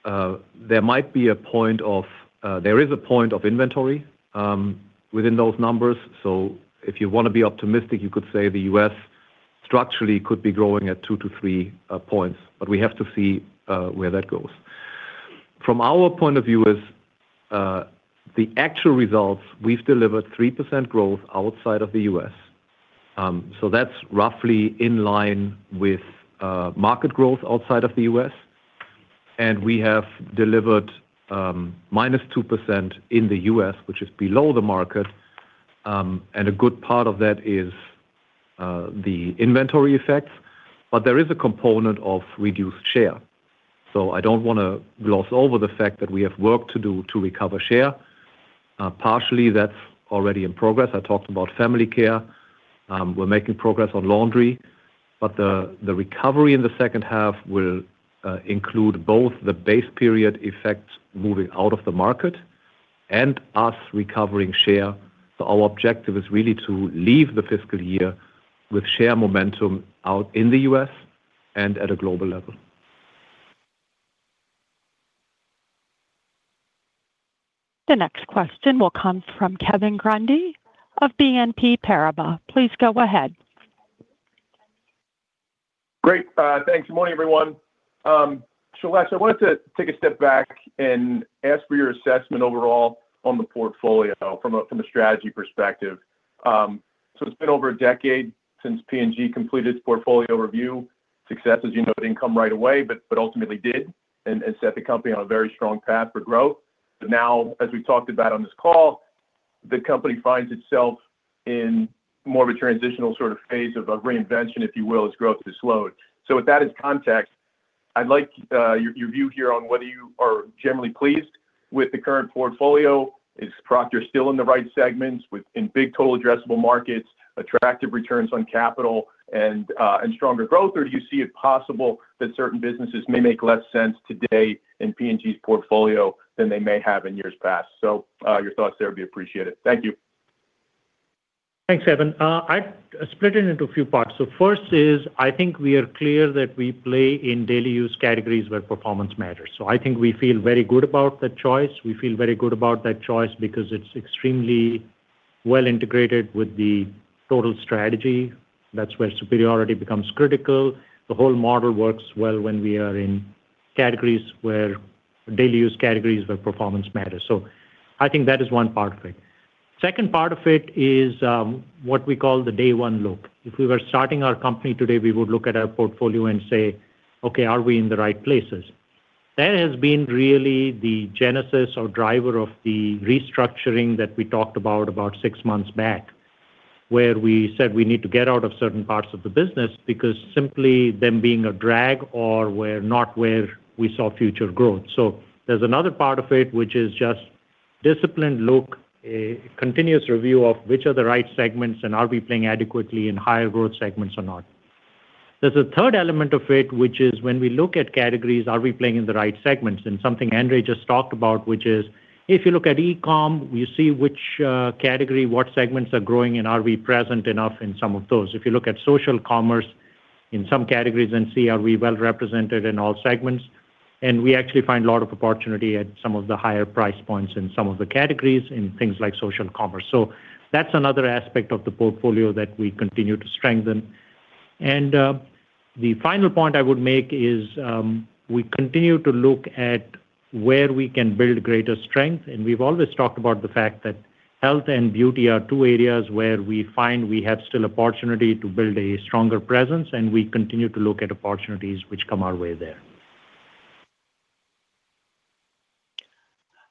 there might be a point of inventory within those numbers. So if you want to be optimistic, you could say the U.S. structurally could be growing at 2 to 3 points. But we have to see where that goes. From our point of view, the actual results, we've delivered 3% growth outside of the U.S. So that's roughly in line with market growth outside of the U.S. And we have delivered -2% in the U.S., which is below the market. And a good part of that is the inventory effects. But there is a component of reduced share. So I don't want to gloss over the fact that we have work to do to recover share. Partially, that's already in progress. I talked about family care. We're making progress on laundry. But the recovery in the second half will include both the base period effect moving out of the market and us recovering share. So our objective is really to leave the fiscal year with share momentum out in the U.S. and at a global level. The next question will come from Kevin Grundy of BNP Paribas. Please go ahead. Great. Thanks. Good morning, everyone. Shailesh, I wanted to take a step back and ask for your assessment overall on the portfolio from a strategy perspective. So it's been over a decade since P&G completed its portfolio review. Success, as you noted, didn't come right away, but ultimately did and set the company on a very strong path for growth. But now, as we talked about on this call, the company finds itself in more of a transitional sort of phase of reinvention, if you will, as growth has slowed. So with that as context, I'd like your view here on whether you are generally pleased with the current portfolio. Is Procter still in the right segments within big total addressable markets, attractive returns on capital, and stronger growth? Or do you see it possible that certain businesses may make less sense today in P&G's portfolio than they may have in years past? So your thoughts there would be appreciated. Thank you. Thanks, Kevin. I split it into a few parts. So first is I think we are clear that we play in daily use categories where performance matters. So I think we feel very good about that choice. We feel very good about that choice because it's extremely well integrated with the total strategy. That's where superiority becomes critical. The whole model works well when we are in categories where daily use categories where performance matters. So I think that is one part of it. Second part of it is what we call the day-one look. If we were starting our company today, we would look at our portfolio and say, "Okay, are we in the right places?" That has been really the genesis or driver of the restructuring that we talked about six months back, where we said we need to get out of certain parts of the business because simply them being a drag or not where we saw future growth. So there's another part of it, which is just disciplined look, a continuous review of which are the right segments, and are we playing adequately in higher growth segments or not. There's a third element of it, which is when we look at categories, are we playing in the right segments? And something Andre just talked about, which is if you look at e-com, you see which category, what segments are growing, and are we present enough in some of those. If you look at social commerce in some categories and see are we well represented in all segments, and we actually find a lot of opportunity at some of the higher price points in some of the categories in things like social commerce. So that's another aspect of the portfolio that we continue to strengthen. And the final point I would make is we continue to look at where we can build greater strength. And we've always talked about the fact that health and beauty are two areas where we find we have still opportunity to build a stronger presence, and we continue to look at opportunities which come our way there.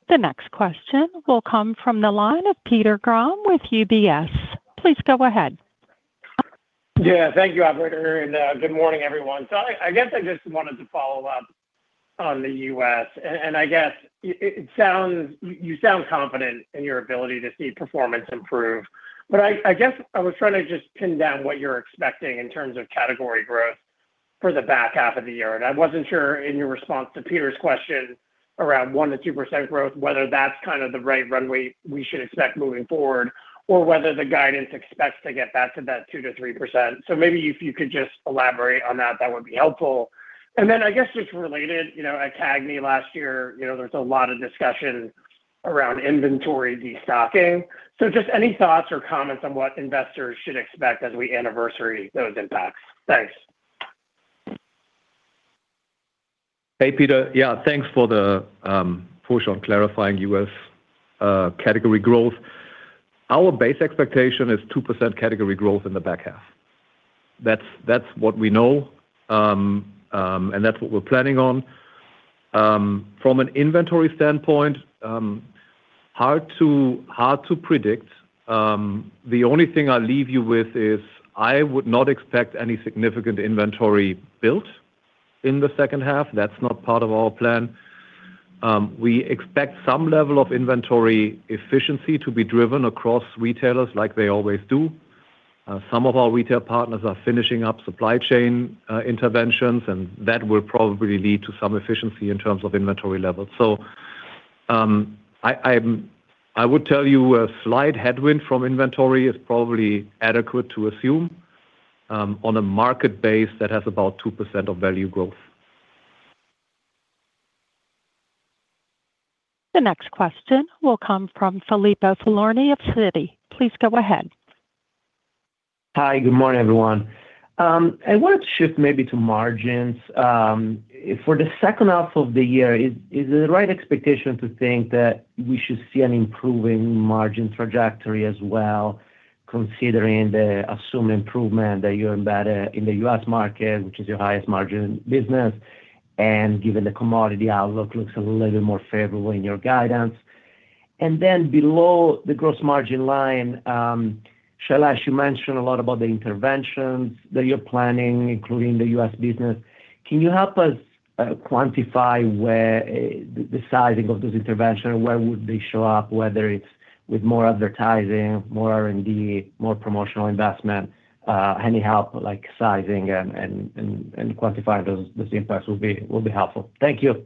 The next question will come from the line of Peter Grom with UBS. Please go ahead. Yeah. Thank you, Andre. And good morning, everyone. So I guess I just wanted to follow up on the U.S. I guess you sound confident in your ability to see performance improve. But I guess I was trying to just pin down what you're expecting in terms of category growth for the back half of the year. I wasn't sure in your response to Peter's question around 1%-2% growth, whether that's kind of the right runway we should expect moving forward or whether the guidance expects to get back to that 2%-3%. So maybe if you could just elaborate on that, that would be helpful. Then I guess just related, at CAGNY last year, there was a lot of discussion around inventory destocking. So just any thoughts or comments on what investors should expect as we anniversary those impacts? Thanks. Hey, Peter. Yeah, thanks for the push on clarifying U.S. category growth. Our base expectation is 2% category growth in the back half. That's what we know, and that's what we're planning on. From an inventory standpoint, hard to predict. The only thing I'll leave you with is I would not expect any significant inventory built in the second half. That's not part of our plan. We expect some level of inventory efficiency to be driven across retailers like they always do. Some of our retail partners are finishing up supply chain interventions, and that will probably lead to some efficiency in terms of inventory levels. So I would tell you a slight headwind from inventory is probably adequate to assume on a market base that has about 2% of value growth. The next question will come from Filippo Falorni of Citi. Please go ahead. Hi. Good morning, everyone. I wanted to shift maybe to margins. For the second half of the year, is it the right expectation to think that we should see an improving margin trajectory as well, considering the assumed improvement that you embedded in the U.S. market, which is your highest margin business, and given the commodity outlook looks a little bit more favorable in your guidance? And then below the gross margin line, Shailesh, you mentioned a lot about the interventions that you're planning, including the U.S. business. Can you help us quantify the sizing of those interventions? Where would they show up, whether it's with more advertising, more R&D, more promotional investment? Any help like sizing and quantifying those impacts will be helpful. Thank you.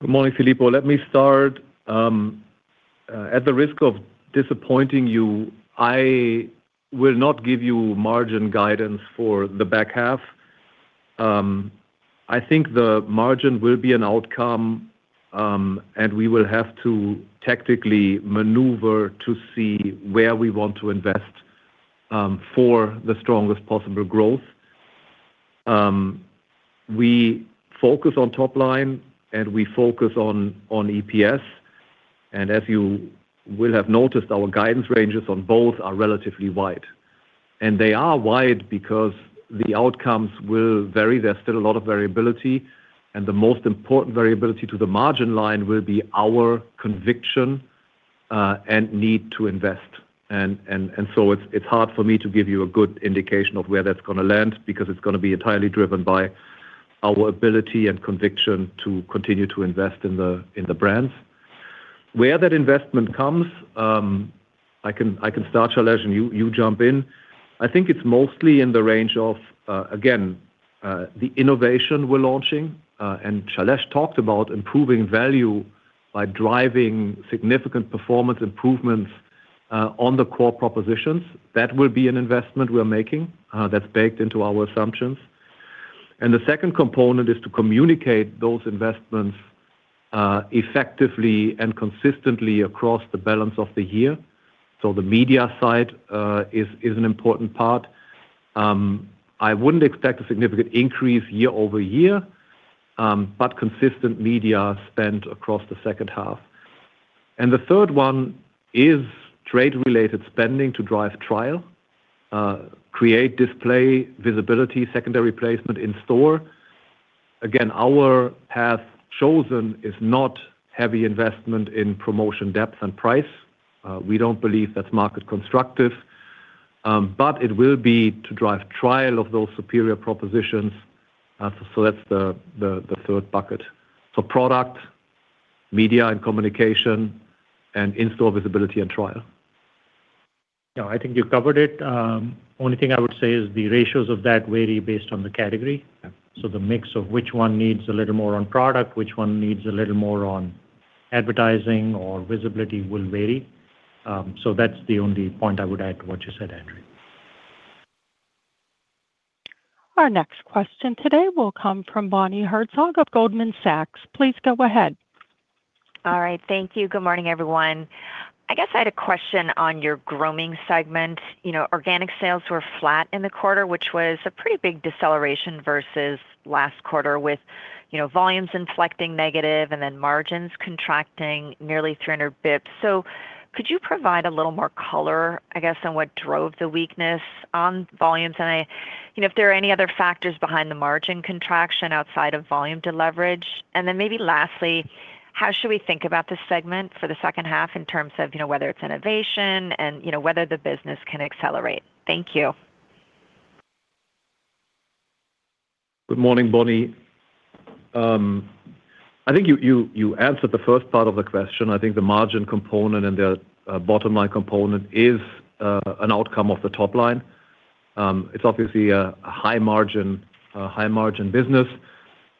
Good morning, Filippo. Let me start. At the risk of disappointing you, I will not give you margin guidance for the back half. I think the margin will be an outcome, and we will have to tactically maneuver to see where we want to invest for the strongest possible growth. We focus on top line, and we focus on EPS, and as you will have noticed, our guidance ranges on both are relatively wide, and they are wide because the outcomes will vary. There's still a lot of variability, and the most important variability to the margin line will be our conviction and need to invest, and so it's hard for me to give you a good indication of where that's going to land because it's going to be entirely driven by our ability and conviction to continue to invest in the brands. Where that investment comes, I can start, Shailesh, and you jump in. I think it's mostly in the range of, again, the innovation we're launching. Shailesh talked about improving value by driving significant performance improvements on the core propositions. That will be an investment we're making that's baked into our assumptions. The second component is to communicate those investments effectively and consistently across the balance of the year. The media side is an important part. I wouldn't expect a significant increase year over year, but consistent media spend across the second half. The third one is trade-related spending to drive trial, create display visibility, secondary placement in store. Again, our path chosen is not heavy investment in promotion depth and price. We don't believe that's market constructive, but it will be to drive trial of those superior propositions. That's the third bucket: product, media and communication, and in-store visibility and trial. Yeah, I think you covered it. only thing I would say is the ratios of that vary based on the category. So the mix of which one needs a little more on product, which one needs a little more on advertising or visibility will vary. So that's the only point I would add to what you said, Andre. Our next question today will come from Bonnie Herzog of Goldman Sachs. Please go ahead. All right. Thank you. Good morning, everyone. I guess I had a question on your grooming segment. Organic sales were flat in the quarter, which was a pretty big deceleration versus last quarter with volumes inflecting negative and then margins contracting nearly 300 basis points. So could you provide a little more color, I guess, on what drove the weakness on volumes? And if there are any other factors behind the margin contraction outside of volume to leverage? And then maybe lastly, how should we think about the segment for the second half in terms of whether it's innovation and whether the business can accelerate? Thank you. Good morning, Bonnie. I think you answered the first part of the question. I think the margin component and the bottom line component is an outcome of the top line. It's obviously a high-margin business.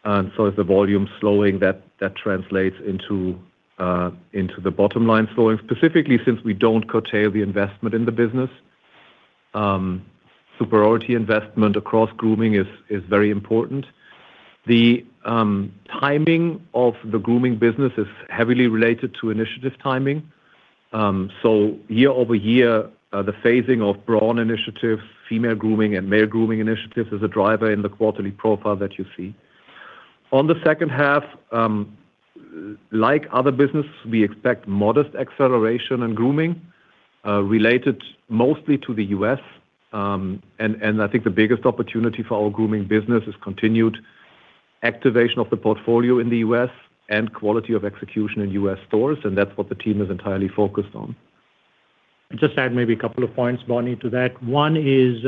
And so if the volume's slowing, that translates into the bottom line slowing, specifically since we don't curtail the investment in the business. Superiority investment across grooming is very important. The timing of the grooming business is heavily related to initiative timing. So year over year, the phasing of Braun initiatives, female grooming, and male grooming initiatives is a driver in the quarterly profile that you see. On the second half, like other businesses, we expect modest acceleration in grooming related mostly to the U.S. And I think the biggest opportunity for our grooming business is continued activation of the portfolio in the U.S. and quality of execution in U.S. stores. And that's what the team is entirely focused on. Just add maybe a couple of points, Bonnie, to that. One is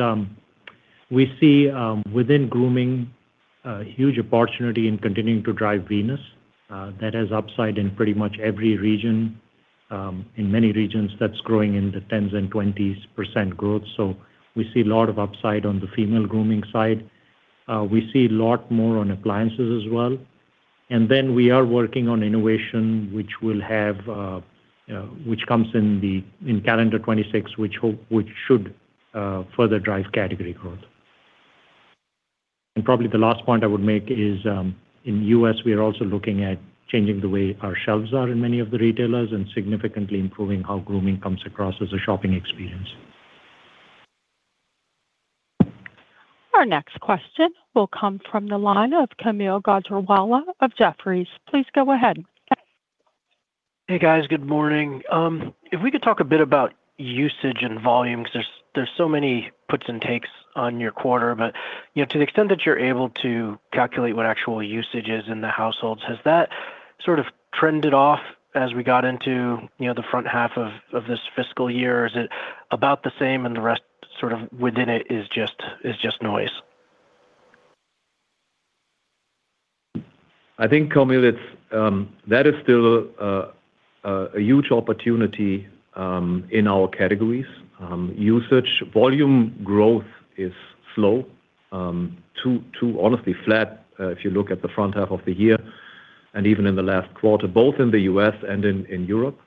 we see within grooming a huge opportunity in continuing to drive Venus. That has upside in pretty much every region. In many regions, that's growing in the 10s and 20s% growth. So we see a lot of upside on the female grooming side. We see a lot more on appliances as well. And then we are working on innovation, which comes in calendar 2026, which should further drive category growth. Probably the last point I would make is in the U.S., we are also looking at changing the way our shelves are in many of the retailers and significantly improving how grooming comes across as a shopping experience. Our next question will come from the line of Kaumil Gajrawala of Jefferies. Please go ahead. Hey, guys. Good morning. If we could talk a bit about usage and volume, because there's so many puts and takes on your quarter, but to the extent that you're able to calculate what actual usage is in the households, has that sort of trended off as we got into the front half of this fiscal year? Is it about the same, and the rest sort of within it is just noise? I think, Kaumil, that is still a huge opportunity in our categories. Usage volume growth is slow, honestly flat if you look at the front half of the year and even in the last quarter, both in the U.S. and in Europe.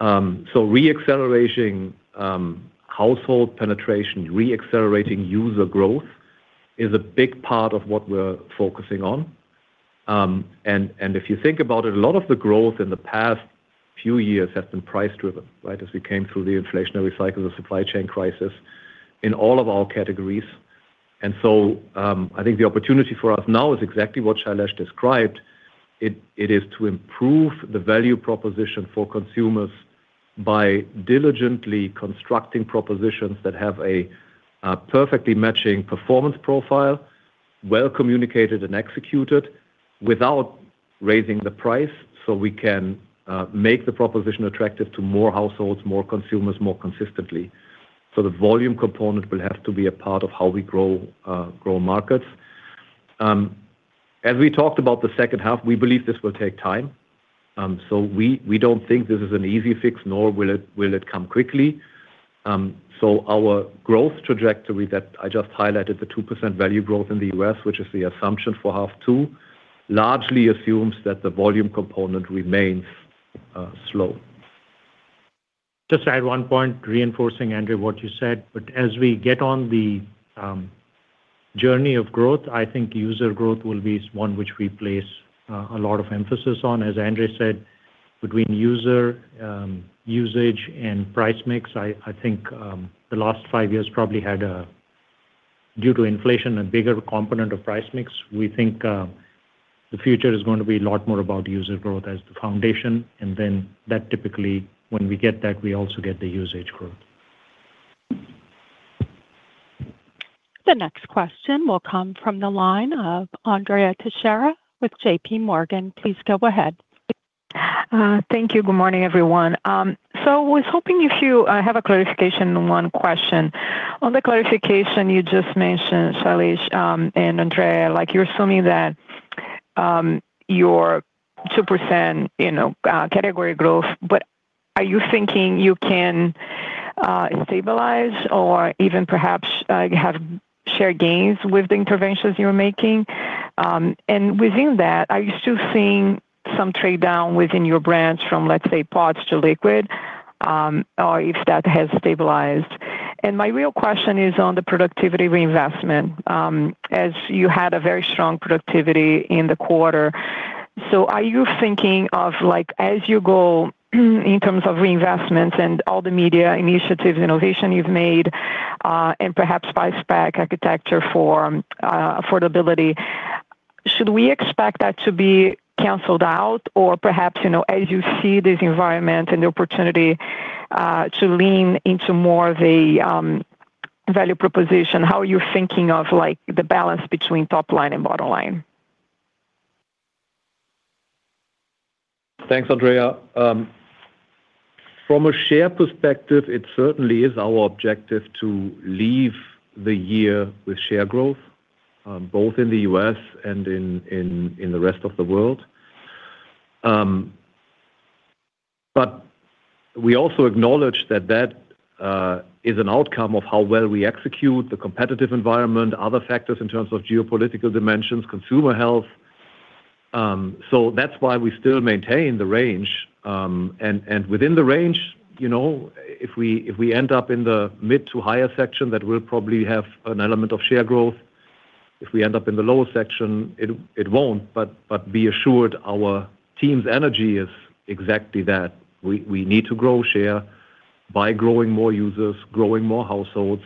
Re-accelerating household penetration, re-accelerating user growth is a big part of what we're focusing on. And if you think about it, a lot of the growth in the past few years has been price-driven, right, as we came through the inflationary cycle of the supply chain crisis in all of our categories. And so I think the opportunity for us now is exactly what Shailesh described. It is to improve the value proposition for consumers by diligently constructing propositions that have a perfectly matching performance profile, well communicated and executed without raising the price so we can make the proposition attractive to more households, more consumers more consistently. So the volume component will have to be a part of how we grow markets. As we talked about the second half, we believe this will take time. So we don't think this is an easy fix, nor will it come quickly. So our growth trajectory that I just highlighted, the 2% value growth in the U.S., which is the assumption for half two, largely assumes that the volume component remains slow. Just to add one point, reinforcing, Andre, what you said. But as we get on the journey of growth, I think user growth will be one which we place a lot of emphasis on. As Andre said, between user usage and price mix, I think the last five years probably had, due to inflation, a bigger component of price mix. We think the future is going to be a lot more about user growth as the foundation. And then that typically, when we get that, we also get the usage growth. The next question will come from the line of Andrea Teixeira with JPMorgan. Please go ahead. Thank you. Good morning, everyone. I was hoping if you have a clarification on one question. On the clarification you just mentioned, Shailesh and Andre, you're assuming that your 2% category growth, but are you thinking you can stabilize or even perhaps have share gains with the interventions you're making? And within that, are you still seeing some trade down within your brand from, let's say, pods to liquid, or if that has stabilized? And my real question is on the productivity reinvestment. As you had a very strong productivity in the quarter, so are you thinking of, as you go in terms of reinvestments and all the media initiatives, innovation you've made, and perhaps by supply chain architecture for affordability, should we expect that to be canceled out? Or perhaps, as you see this environment and the opportunity to lean into more of a value proposition, how are you thinking of the balance between top line and bottom line? Thanks, Andrea. From a share perspective, it certainly is our objective to leave the year with share growth, both in the U.S. and in the rest of the world. But we also acknowledge that that is an outcome of how well we execute, the competitive environment, other factors in terms of geopolitical dimensions, consumer health. So that's why we still maintain the range. Within the range, if we end up in the mid to higher section, that will probably have an element of share growth. If we end up in the lower section, it won't. Be assured, our team's energy is exactly that. We need to grow share by growing more users, growing more households.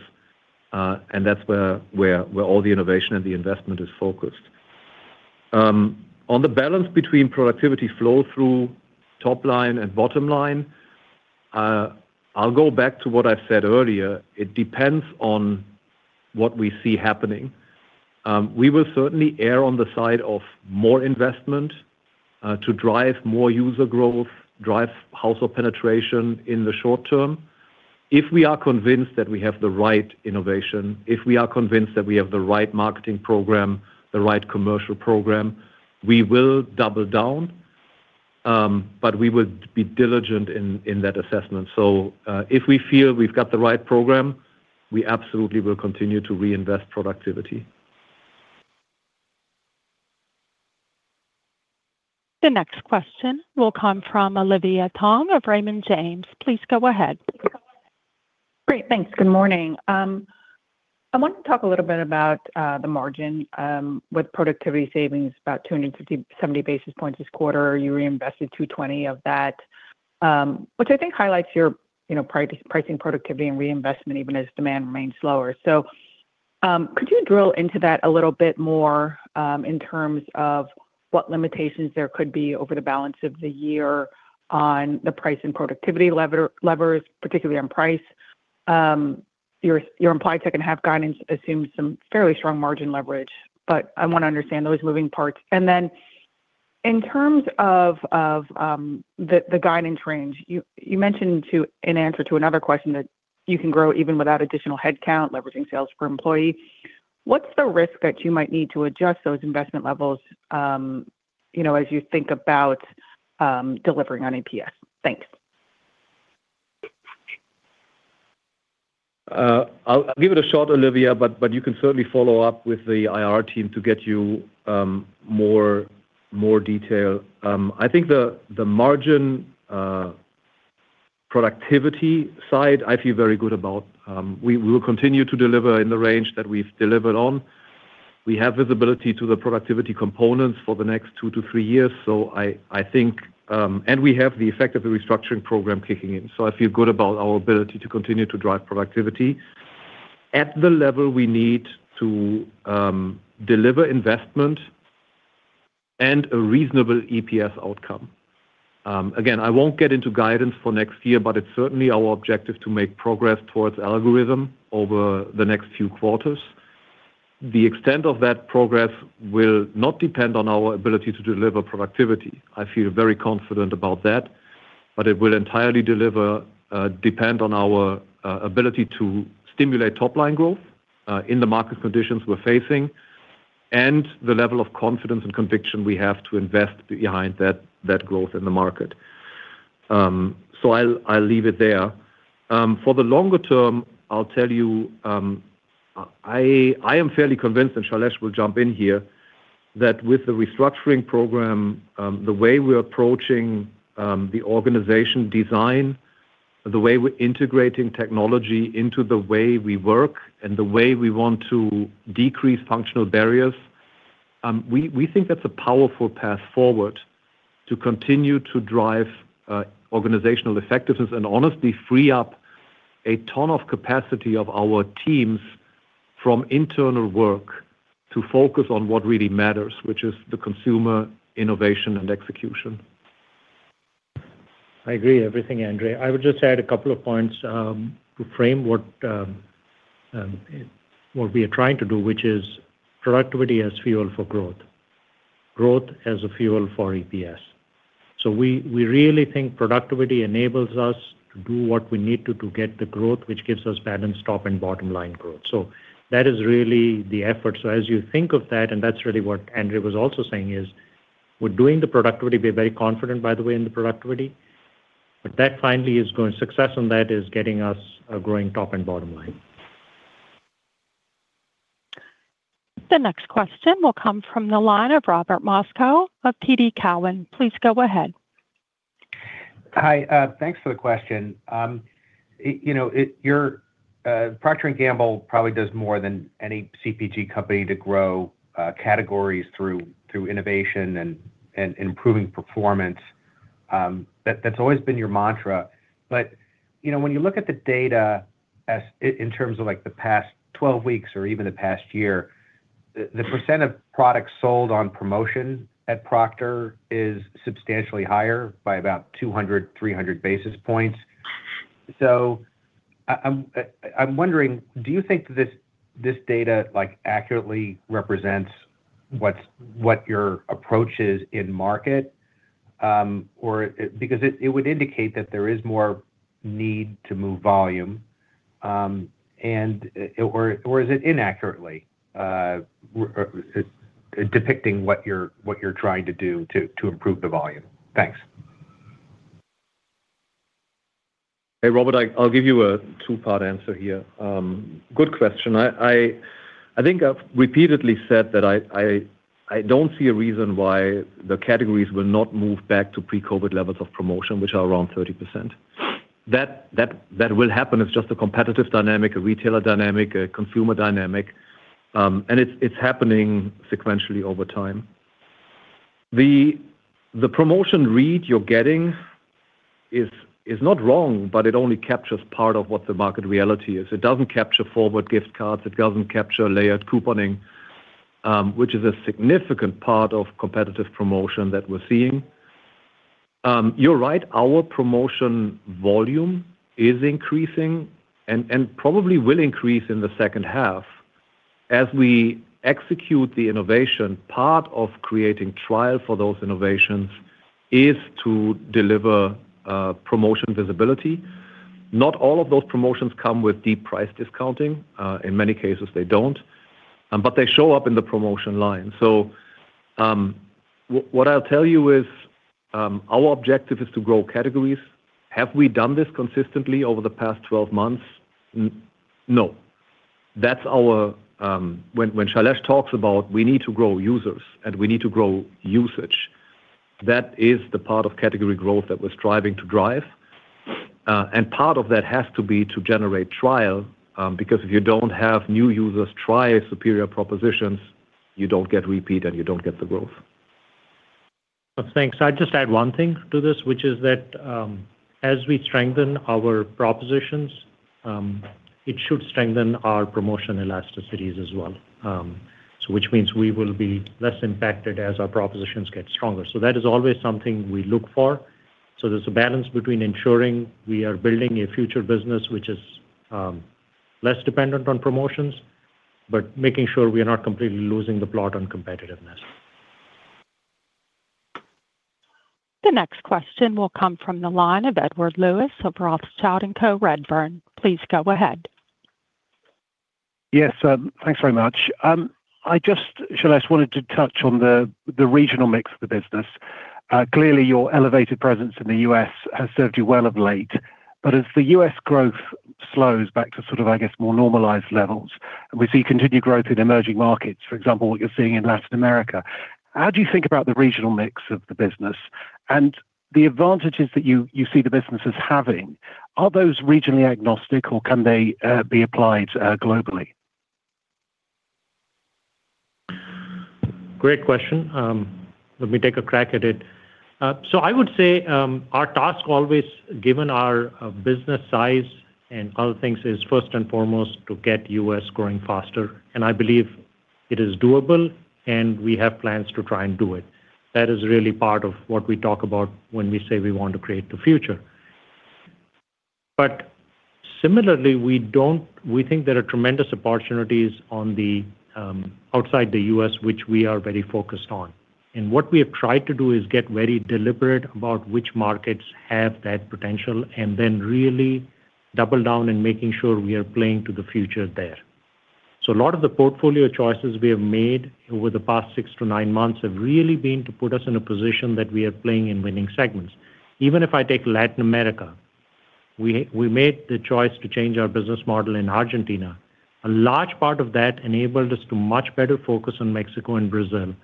And that's where all the innovation and the investment is focused. On the balance between productivity flow through top line and bottom line, I'll go back to what I've said earlier. It depends on what we see happening. We will certainly err on the side of more investment to drive more user growth, drive household penetration in the short term. If we are convinced that we have the right innovation, if we are convinced that we have the right marketing program, the right commercial program, we will double down. But we will be diligent in that assessment. So if we feel we've got the right program, we absolutely will continue to reinvest productivity. The next question will come from Olivia Tong of Raymond James. Please go ahead. Great. Thanks. Good morning. I want to talk a little bit about the margin with productivity savings, about 270 basis points this quarter. You reinvested 220 of that, which I think highlights your pricing productivity and reinvestment even as demand remains lower. So could you drill into that a little bit more in terms of what limitations there could be over the balance of the year on the price and productivity levers, particularly on price? Your implied second half guidance assumes some fairly strong margin leverage, but I want to understand those moving parts. And then in terms of the guidance range, you mentioned in answer to another question that you can grow even without additional headcount, leveraging sales per employee. What's the risk that you might need to adjust those investment levels as you think about delivering on EPS? Thanks. I'll give it a shot, Olivia, but you can certainly follow up with the IR team to get you more detail. I think the margin productivity side, I feel very good about. We will continue to deliver in the range that we've delivered on. We have visibility to the productivity components for the next two to three years. So I think, and we have the effect of the restructuring program kicking in. So I feel good about our ability to continue to drive productivity at the level we need to deliver investment and a reasonable EPS outcome. Again, I won't get into guidance for next year, but it's certainly our objective to make progress towards algorithm over the next few quarters. The extent of that progress will not depend on our ability to deliver productivity. I feel very confident about that, but it will entirely depend on our ability to stimulate top line growth in the market conditions we're facing and the level of confidence and conviction we have to invest behind that growth in the market. So I'll leave it there. For the longer term, I'll tell you, I am fairly convinced, and Shailesh will jump in here, that with the restructuring program, the way we're approaching the organization design, the way we're integrating technology into the way we work and the way we want to decrease functional barriers, we think that's a powerful path forward to continue to drive organizational effectiveness and honestly free up a ton of capacity of our teams from internal work to focus on what really matters, which is the consumer innovation and execution. I agree with everything, Andre. I would just add a couple of points to frame what we are trying to do, which is productivity as fuel for growth, growth as a fuel for EPS. So we really think productivity enables us to do what we need to do to get the growth, which gives us balanced top and bottom line growth. So that is really the effort. So as you think of that, and that's really what Andre was also saying, is we're doing the productivity. We're very confident, by the way, in the productivity. But that finally is going success on that is getting us a growing top and bottom line. The next question will come from the line of Robert Moskow of TD Cowen. Please go ahead. Hi. Thanks for the question. Your Procter & Gamble probably does more than any CPG company to grow categories through innovation and improving performance. That's always been your mantra. But when you look at the data in terms of the past 12 weeks or even the past year, the % of products sold on promotion at Procter is substantially higher by about 200-300 basis points. So I'm wondering, do you think this data accurately represents what your approach is in market? Because it would indicate that there is more need to move volume, or is it inaccurately depicting what you're trying to do to improve the volume? Thanks. Hey, Robert, I'll give you a two-part answer here. Good question. I think I've repeatedly said that I don't see a reason why the categories will not move back to pre-COVID levels of promotion, which are around 30%. That will happen. It's just a competitive dynamic, a retailer dynamic, a consumer dynamic, and it's happening sequentially over time. The promotion read you're getting is not wrong, but it only captures part of what the market reality is. It doesn't capture reward gift cards. It doesn't capture layered couponing, which is a significant part of competitive promotion that we're seeing. You're right. Our promotion volume is increasing and probably will increase in the second half. As we execute the innovation, part of creating trial for those innovations is to deliver promotion visibility. Not all of those promotions come with deep price discounting. In many cases, they don't. But they show up in the promotion line. So what I'll tell you is our objective is to grow categories. Have we done this consistently over the past 12 months? No. That's what Shailesh talks about, "We need to grow users, and we need to grow usage," that is the part of category growth that we're striving to drive. And part of that has to be to generate trial. Because if you don't have new users try superior propositions, you don't get repeat, and you don't get the growth. Thanks. I'd just add one thing to this, which is that as we strengthen our propositions, it should strengthen our promotion elasticities as well, which means we will be less impacted as our propositions get stronger. So that is always something we look for. So there's a balance between ensuring we are building a future business which is less dependent on promotions, but making sure we are not completely losing the plot on competitiveness. The next question will come from the line of Edward Lewis of Rothschild & Co. Redburn. Please go ahead. Yes. Thanks very much. Shailesh wanted to touch on the regional mix of the business. Clearly, your elevated presence in the U.S. has served you well of late. But as the U.S. growth slows back to sort of, I guess, more normalized levels, and we see continued growth in emerging markets, for example, what you're seeing in Latin America, how do you think about the regional mix of the business and the advantages that you see the business is having? Are those regionally agnostic, or can they be applied globally? Great question. Let me take a crack at it. So I would say our task, always given our business size and other things, is first and foremost to get U.S. growing faster. And I believe it is doable, and we have plans to try and do it. That is really part of what we talk about when we say we want to create the future. But similarly, we think there are tremendous opportunities outside the U.S., which we are very focused on. And what we have tried to do is get very deliberate about which markets have that potential and then really double down in making sure we are playing to the future there. So a lot of the portfolio choices we have made over the past six to nine months have really been to put us in a position that we are playing in winning segments. Even if I take Latin America, we made the choice to change our business model in Argentina. A large part of that enabled us to much better focus on Mexico and Brazil.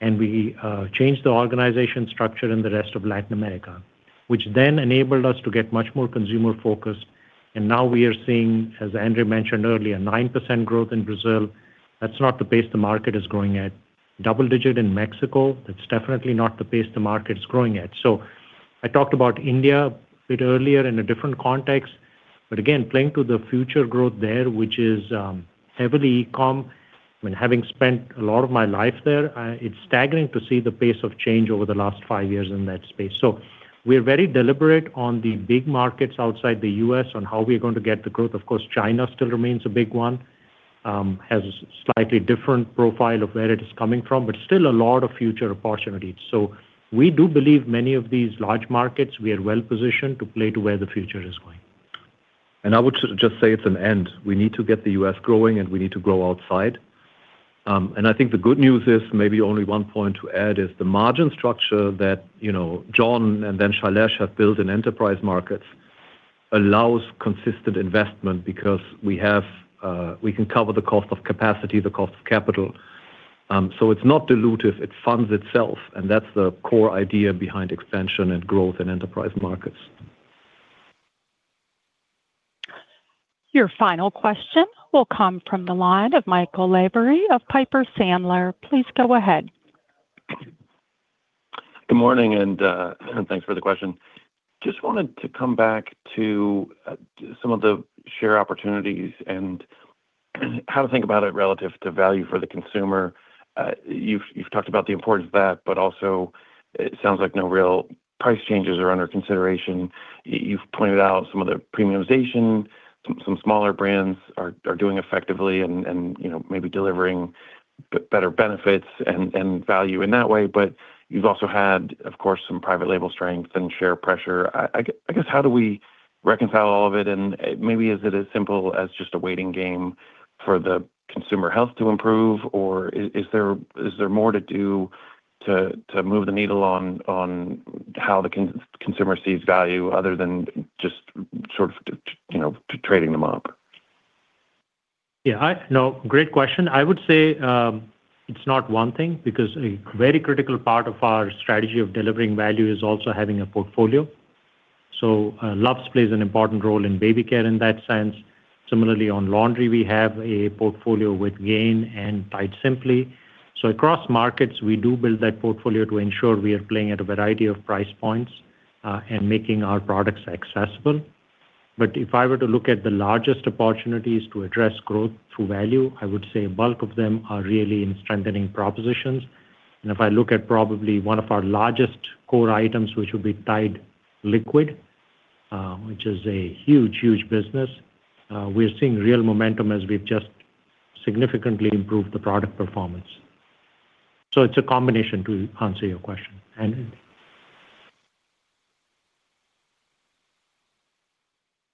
And we changed the organization structure in the rest of Latin America, which then enabled us to get much more consumer-focused. And now we are seeing, as Andre mentioned earlier, 9% growth in Brazil. That's not the pace the market is growing at. Double-digit in Mexico. That's definitely not the pace the market is growing at. So I talked about India a bit earlier in a different context. But again, playing to the future growth there, which is heavily e-com, having spent a lot of my life there, it's staggering to see the pace of change over the last five years in that space. So we're very deliberate on the big markets outside the U.S. on how we are going to get the growth. Of course, China still remains a big one, has a slightly different profile of where it is coming from, but still a lot of future opportunities. So we do believe many of these large markets we are well-positioned to play to where the future is going. And I would just say, in the end. We need to get the U.S. growing, and we need to grow outside. I think the good news is maybe only one point to add is the margin structure that John and then Shailesh have built in Enterprise Markets allows consistent investment because we can cover the cost of capacity, the cost of capital. So it's not dilutive. It funds itself. And that's the core idea behind expansion and growth in Enterprise Markets. Your final question will come from the line of Michael Lavery of Piper Sandler. Please go ahead. Good morning, and thanks for the question. Just wanted to come back to some of the share opportunities and how to think about it relative to value for the consumer. You've talked about the importance of that, but also it sounds like no real price changes are under consideration. You've pointed out some of the premiumization. Some smaller brands are doing effectively and maybe delivering better benefits and value in that way. But you've also had, of course, some private label strength and share pressure. I guess, how do we reconcile all of it? And maybe is it as simple as just a waiting game for the consumer health to improve, or is there more to do to move the needle on how the consumer sees value other than just sort of trading them up? Yeah. No, great question. I would say it's not one thing because a very critical part of our strategy of delivering value is also having a portfolio. So Luvs plays an important role in baby care in that sense. Similarly, on laundry, we have a portfolio with Gain and Tide Simply. So across markets, we do build that portfolio to ensure we are playing at a variety of price points and making our products accessible. But if I were to look at the largest opportunities to address growth through value, I would say a bulk of them are really in strengthening propositions. And if I look at probably one of our largest core items, which would be Tide liquid, which is a huge, huge business, we're seeing real momentum as we've just significantly improved the product performance. So it's a combination to answer your question.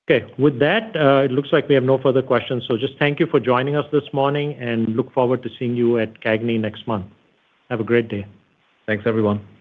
Okay. With that, it looks like we have no further questions. So just thank you for joining us this morning, and look forward to seeing you at CAGNY next month. Have a great day. Thanks, everyone.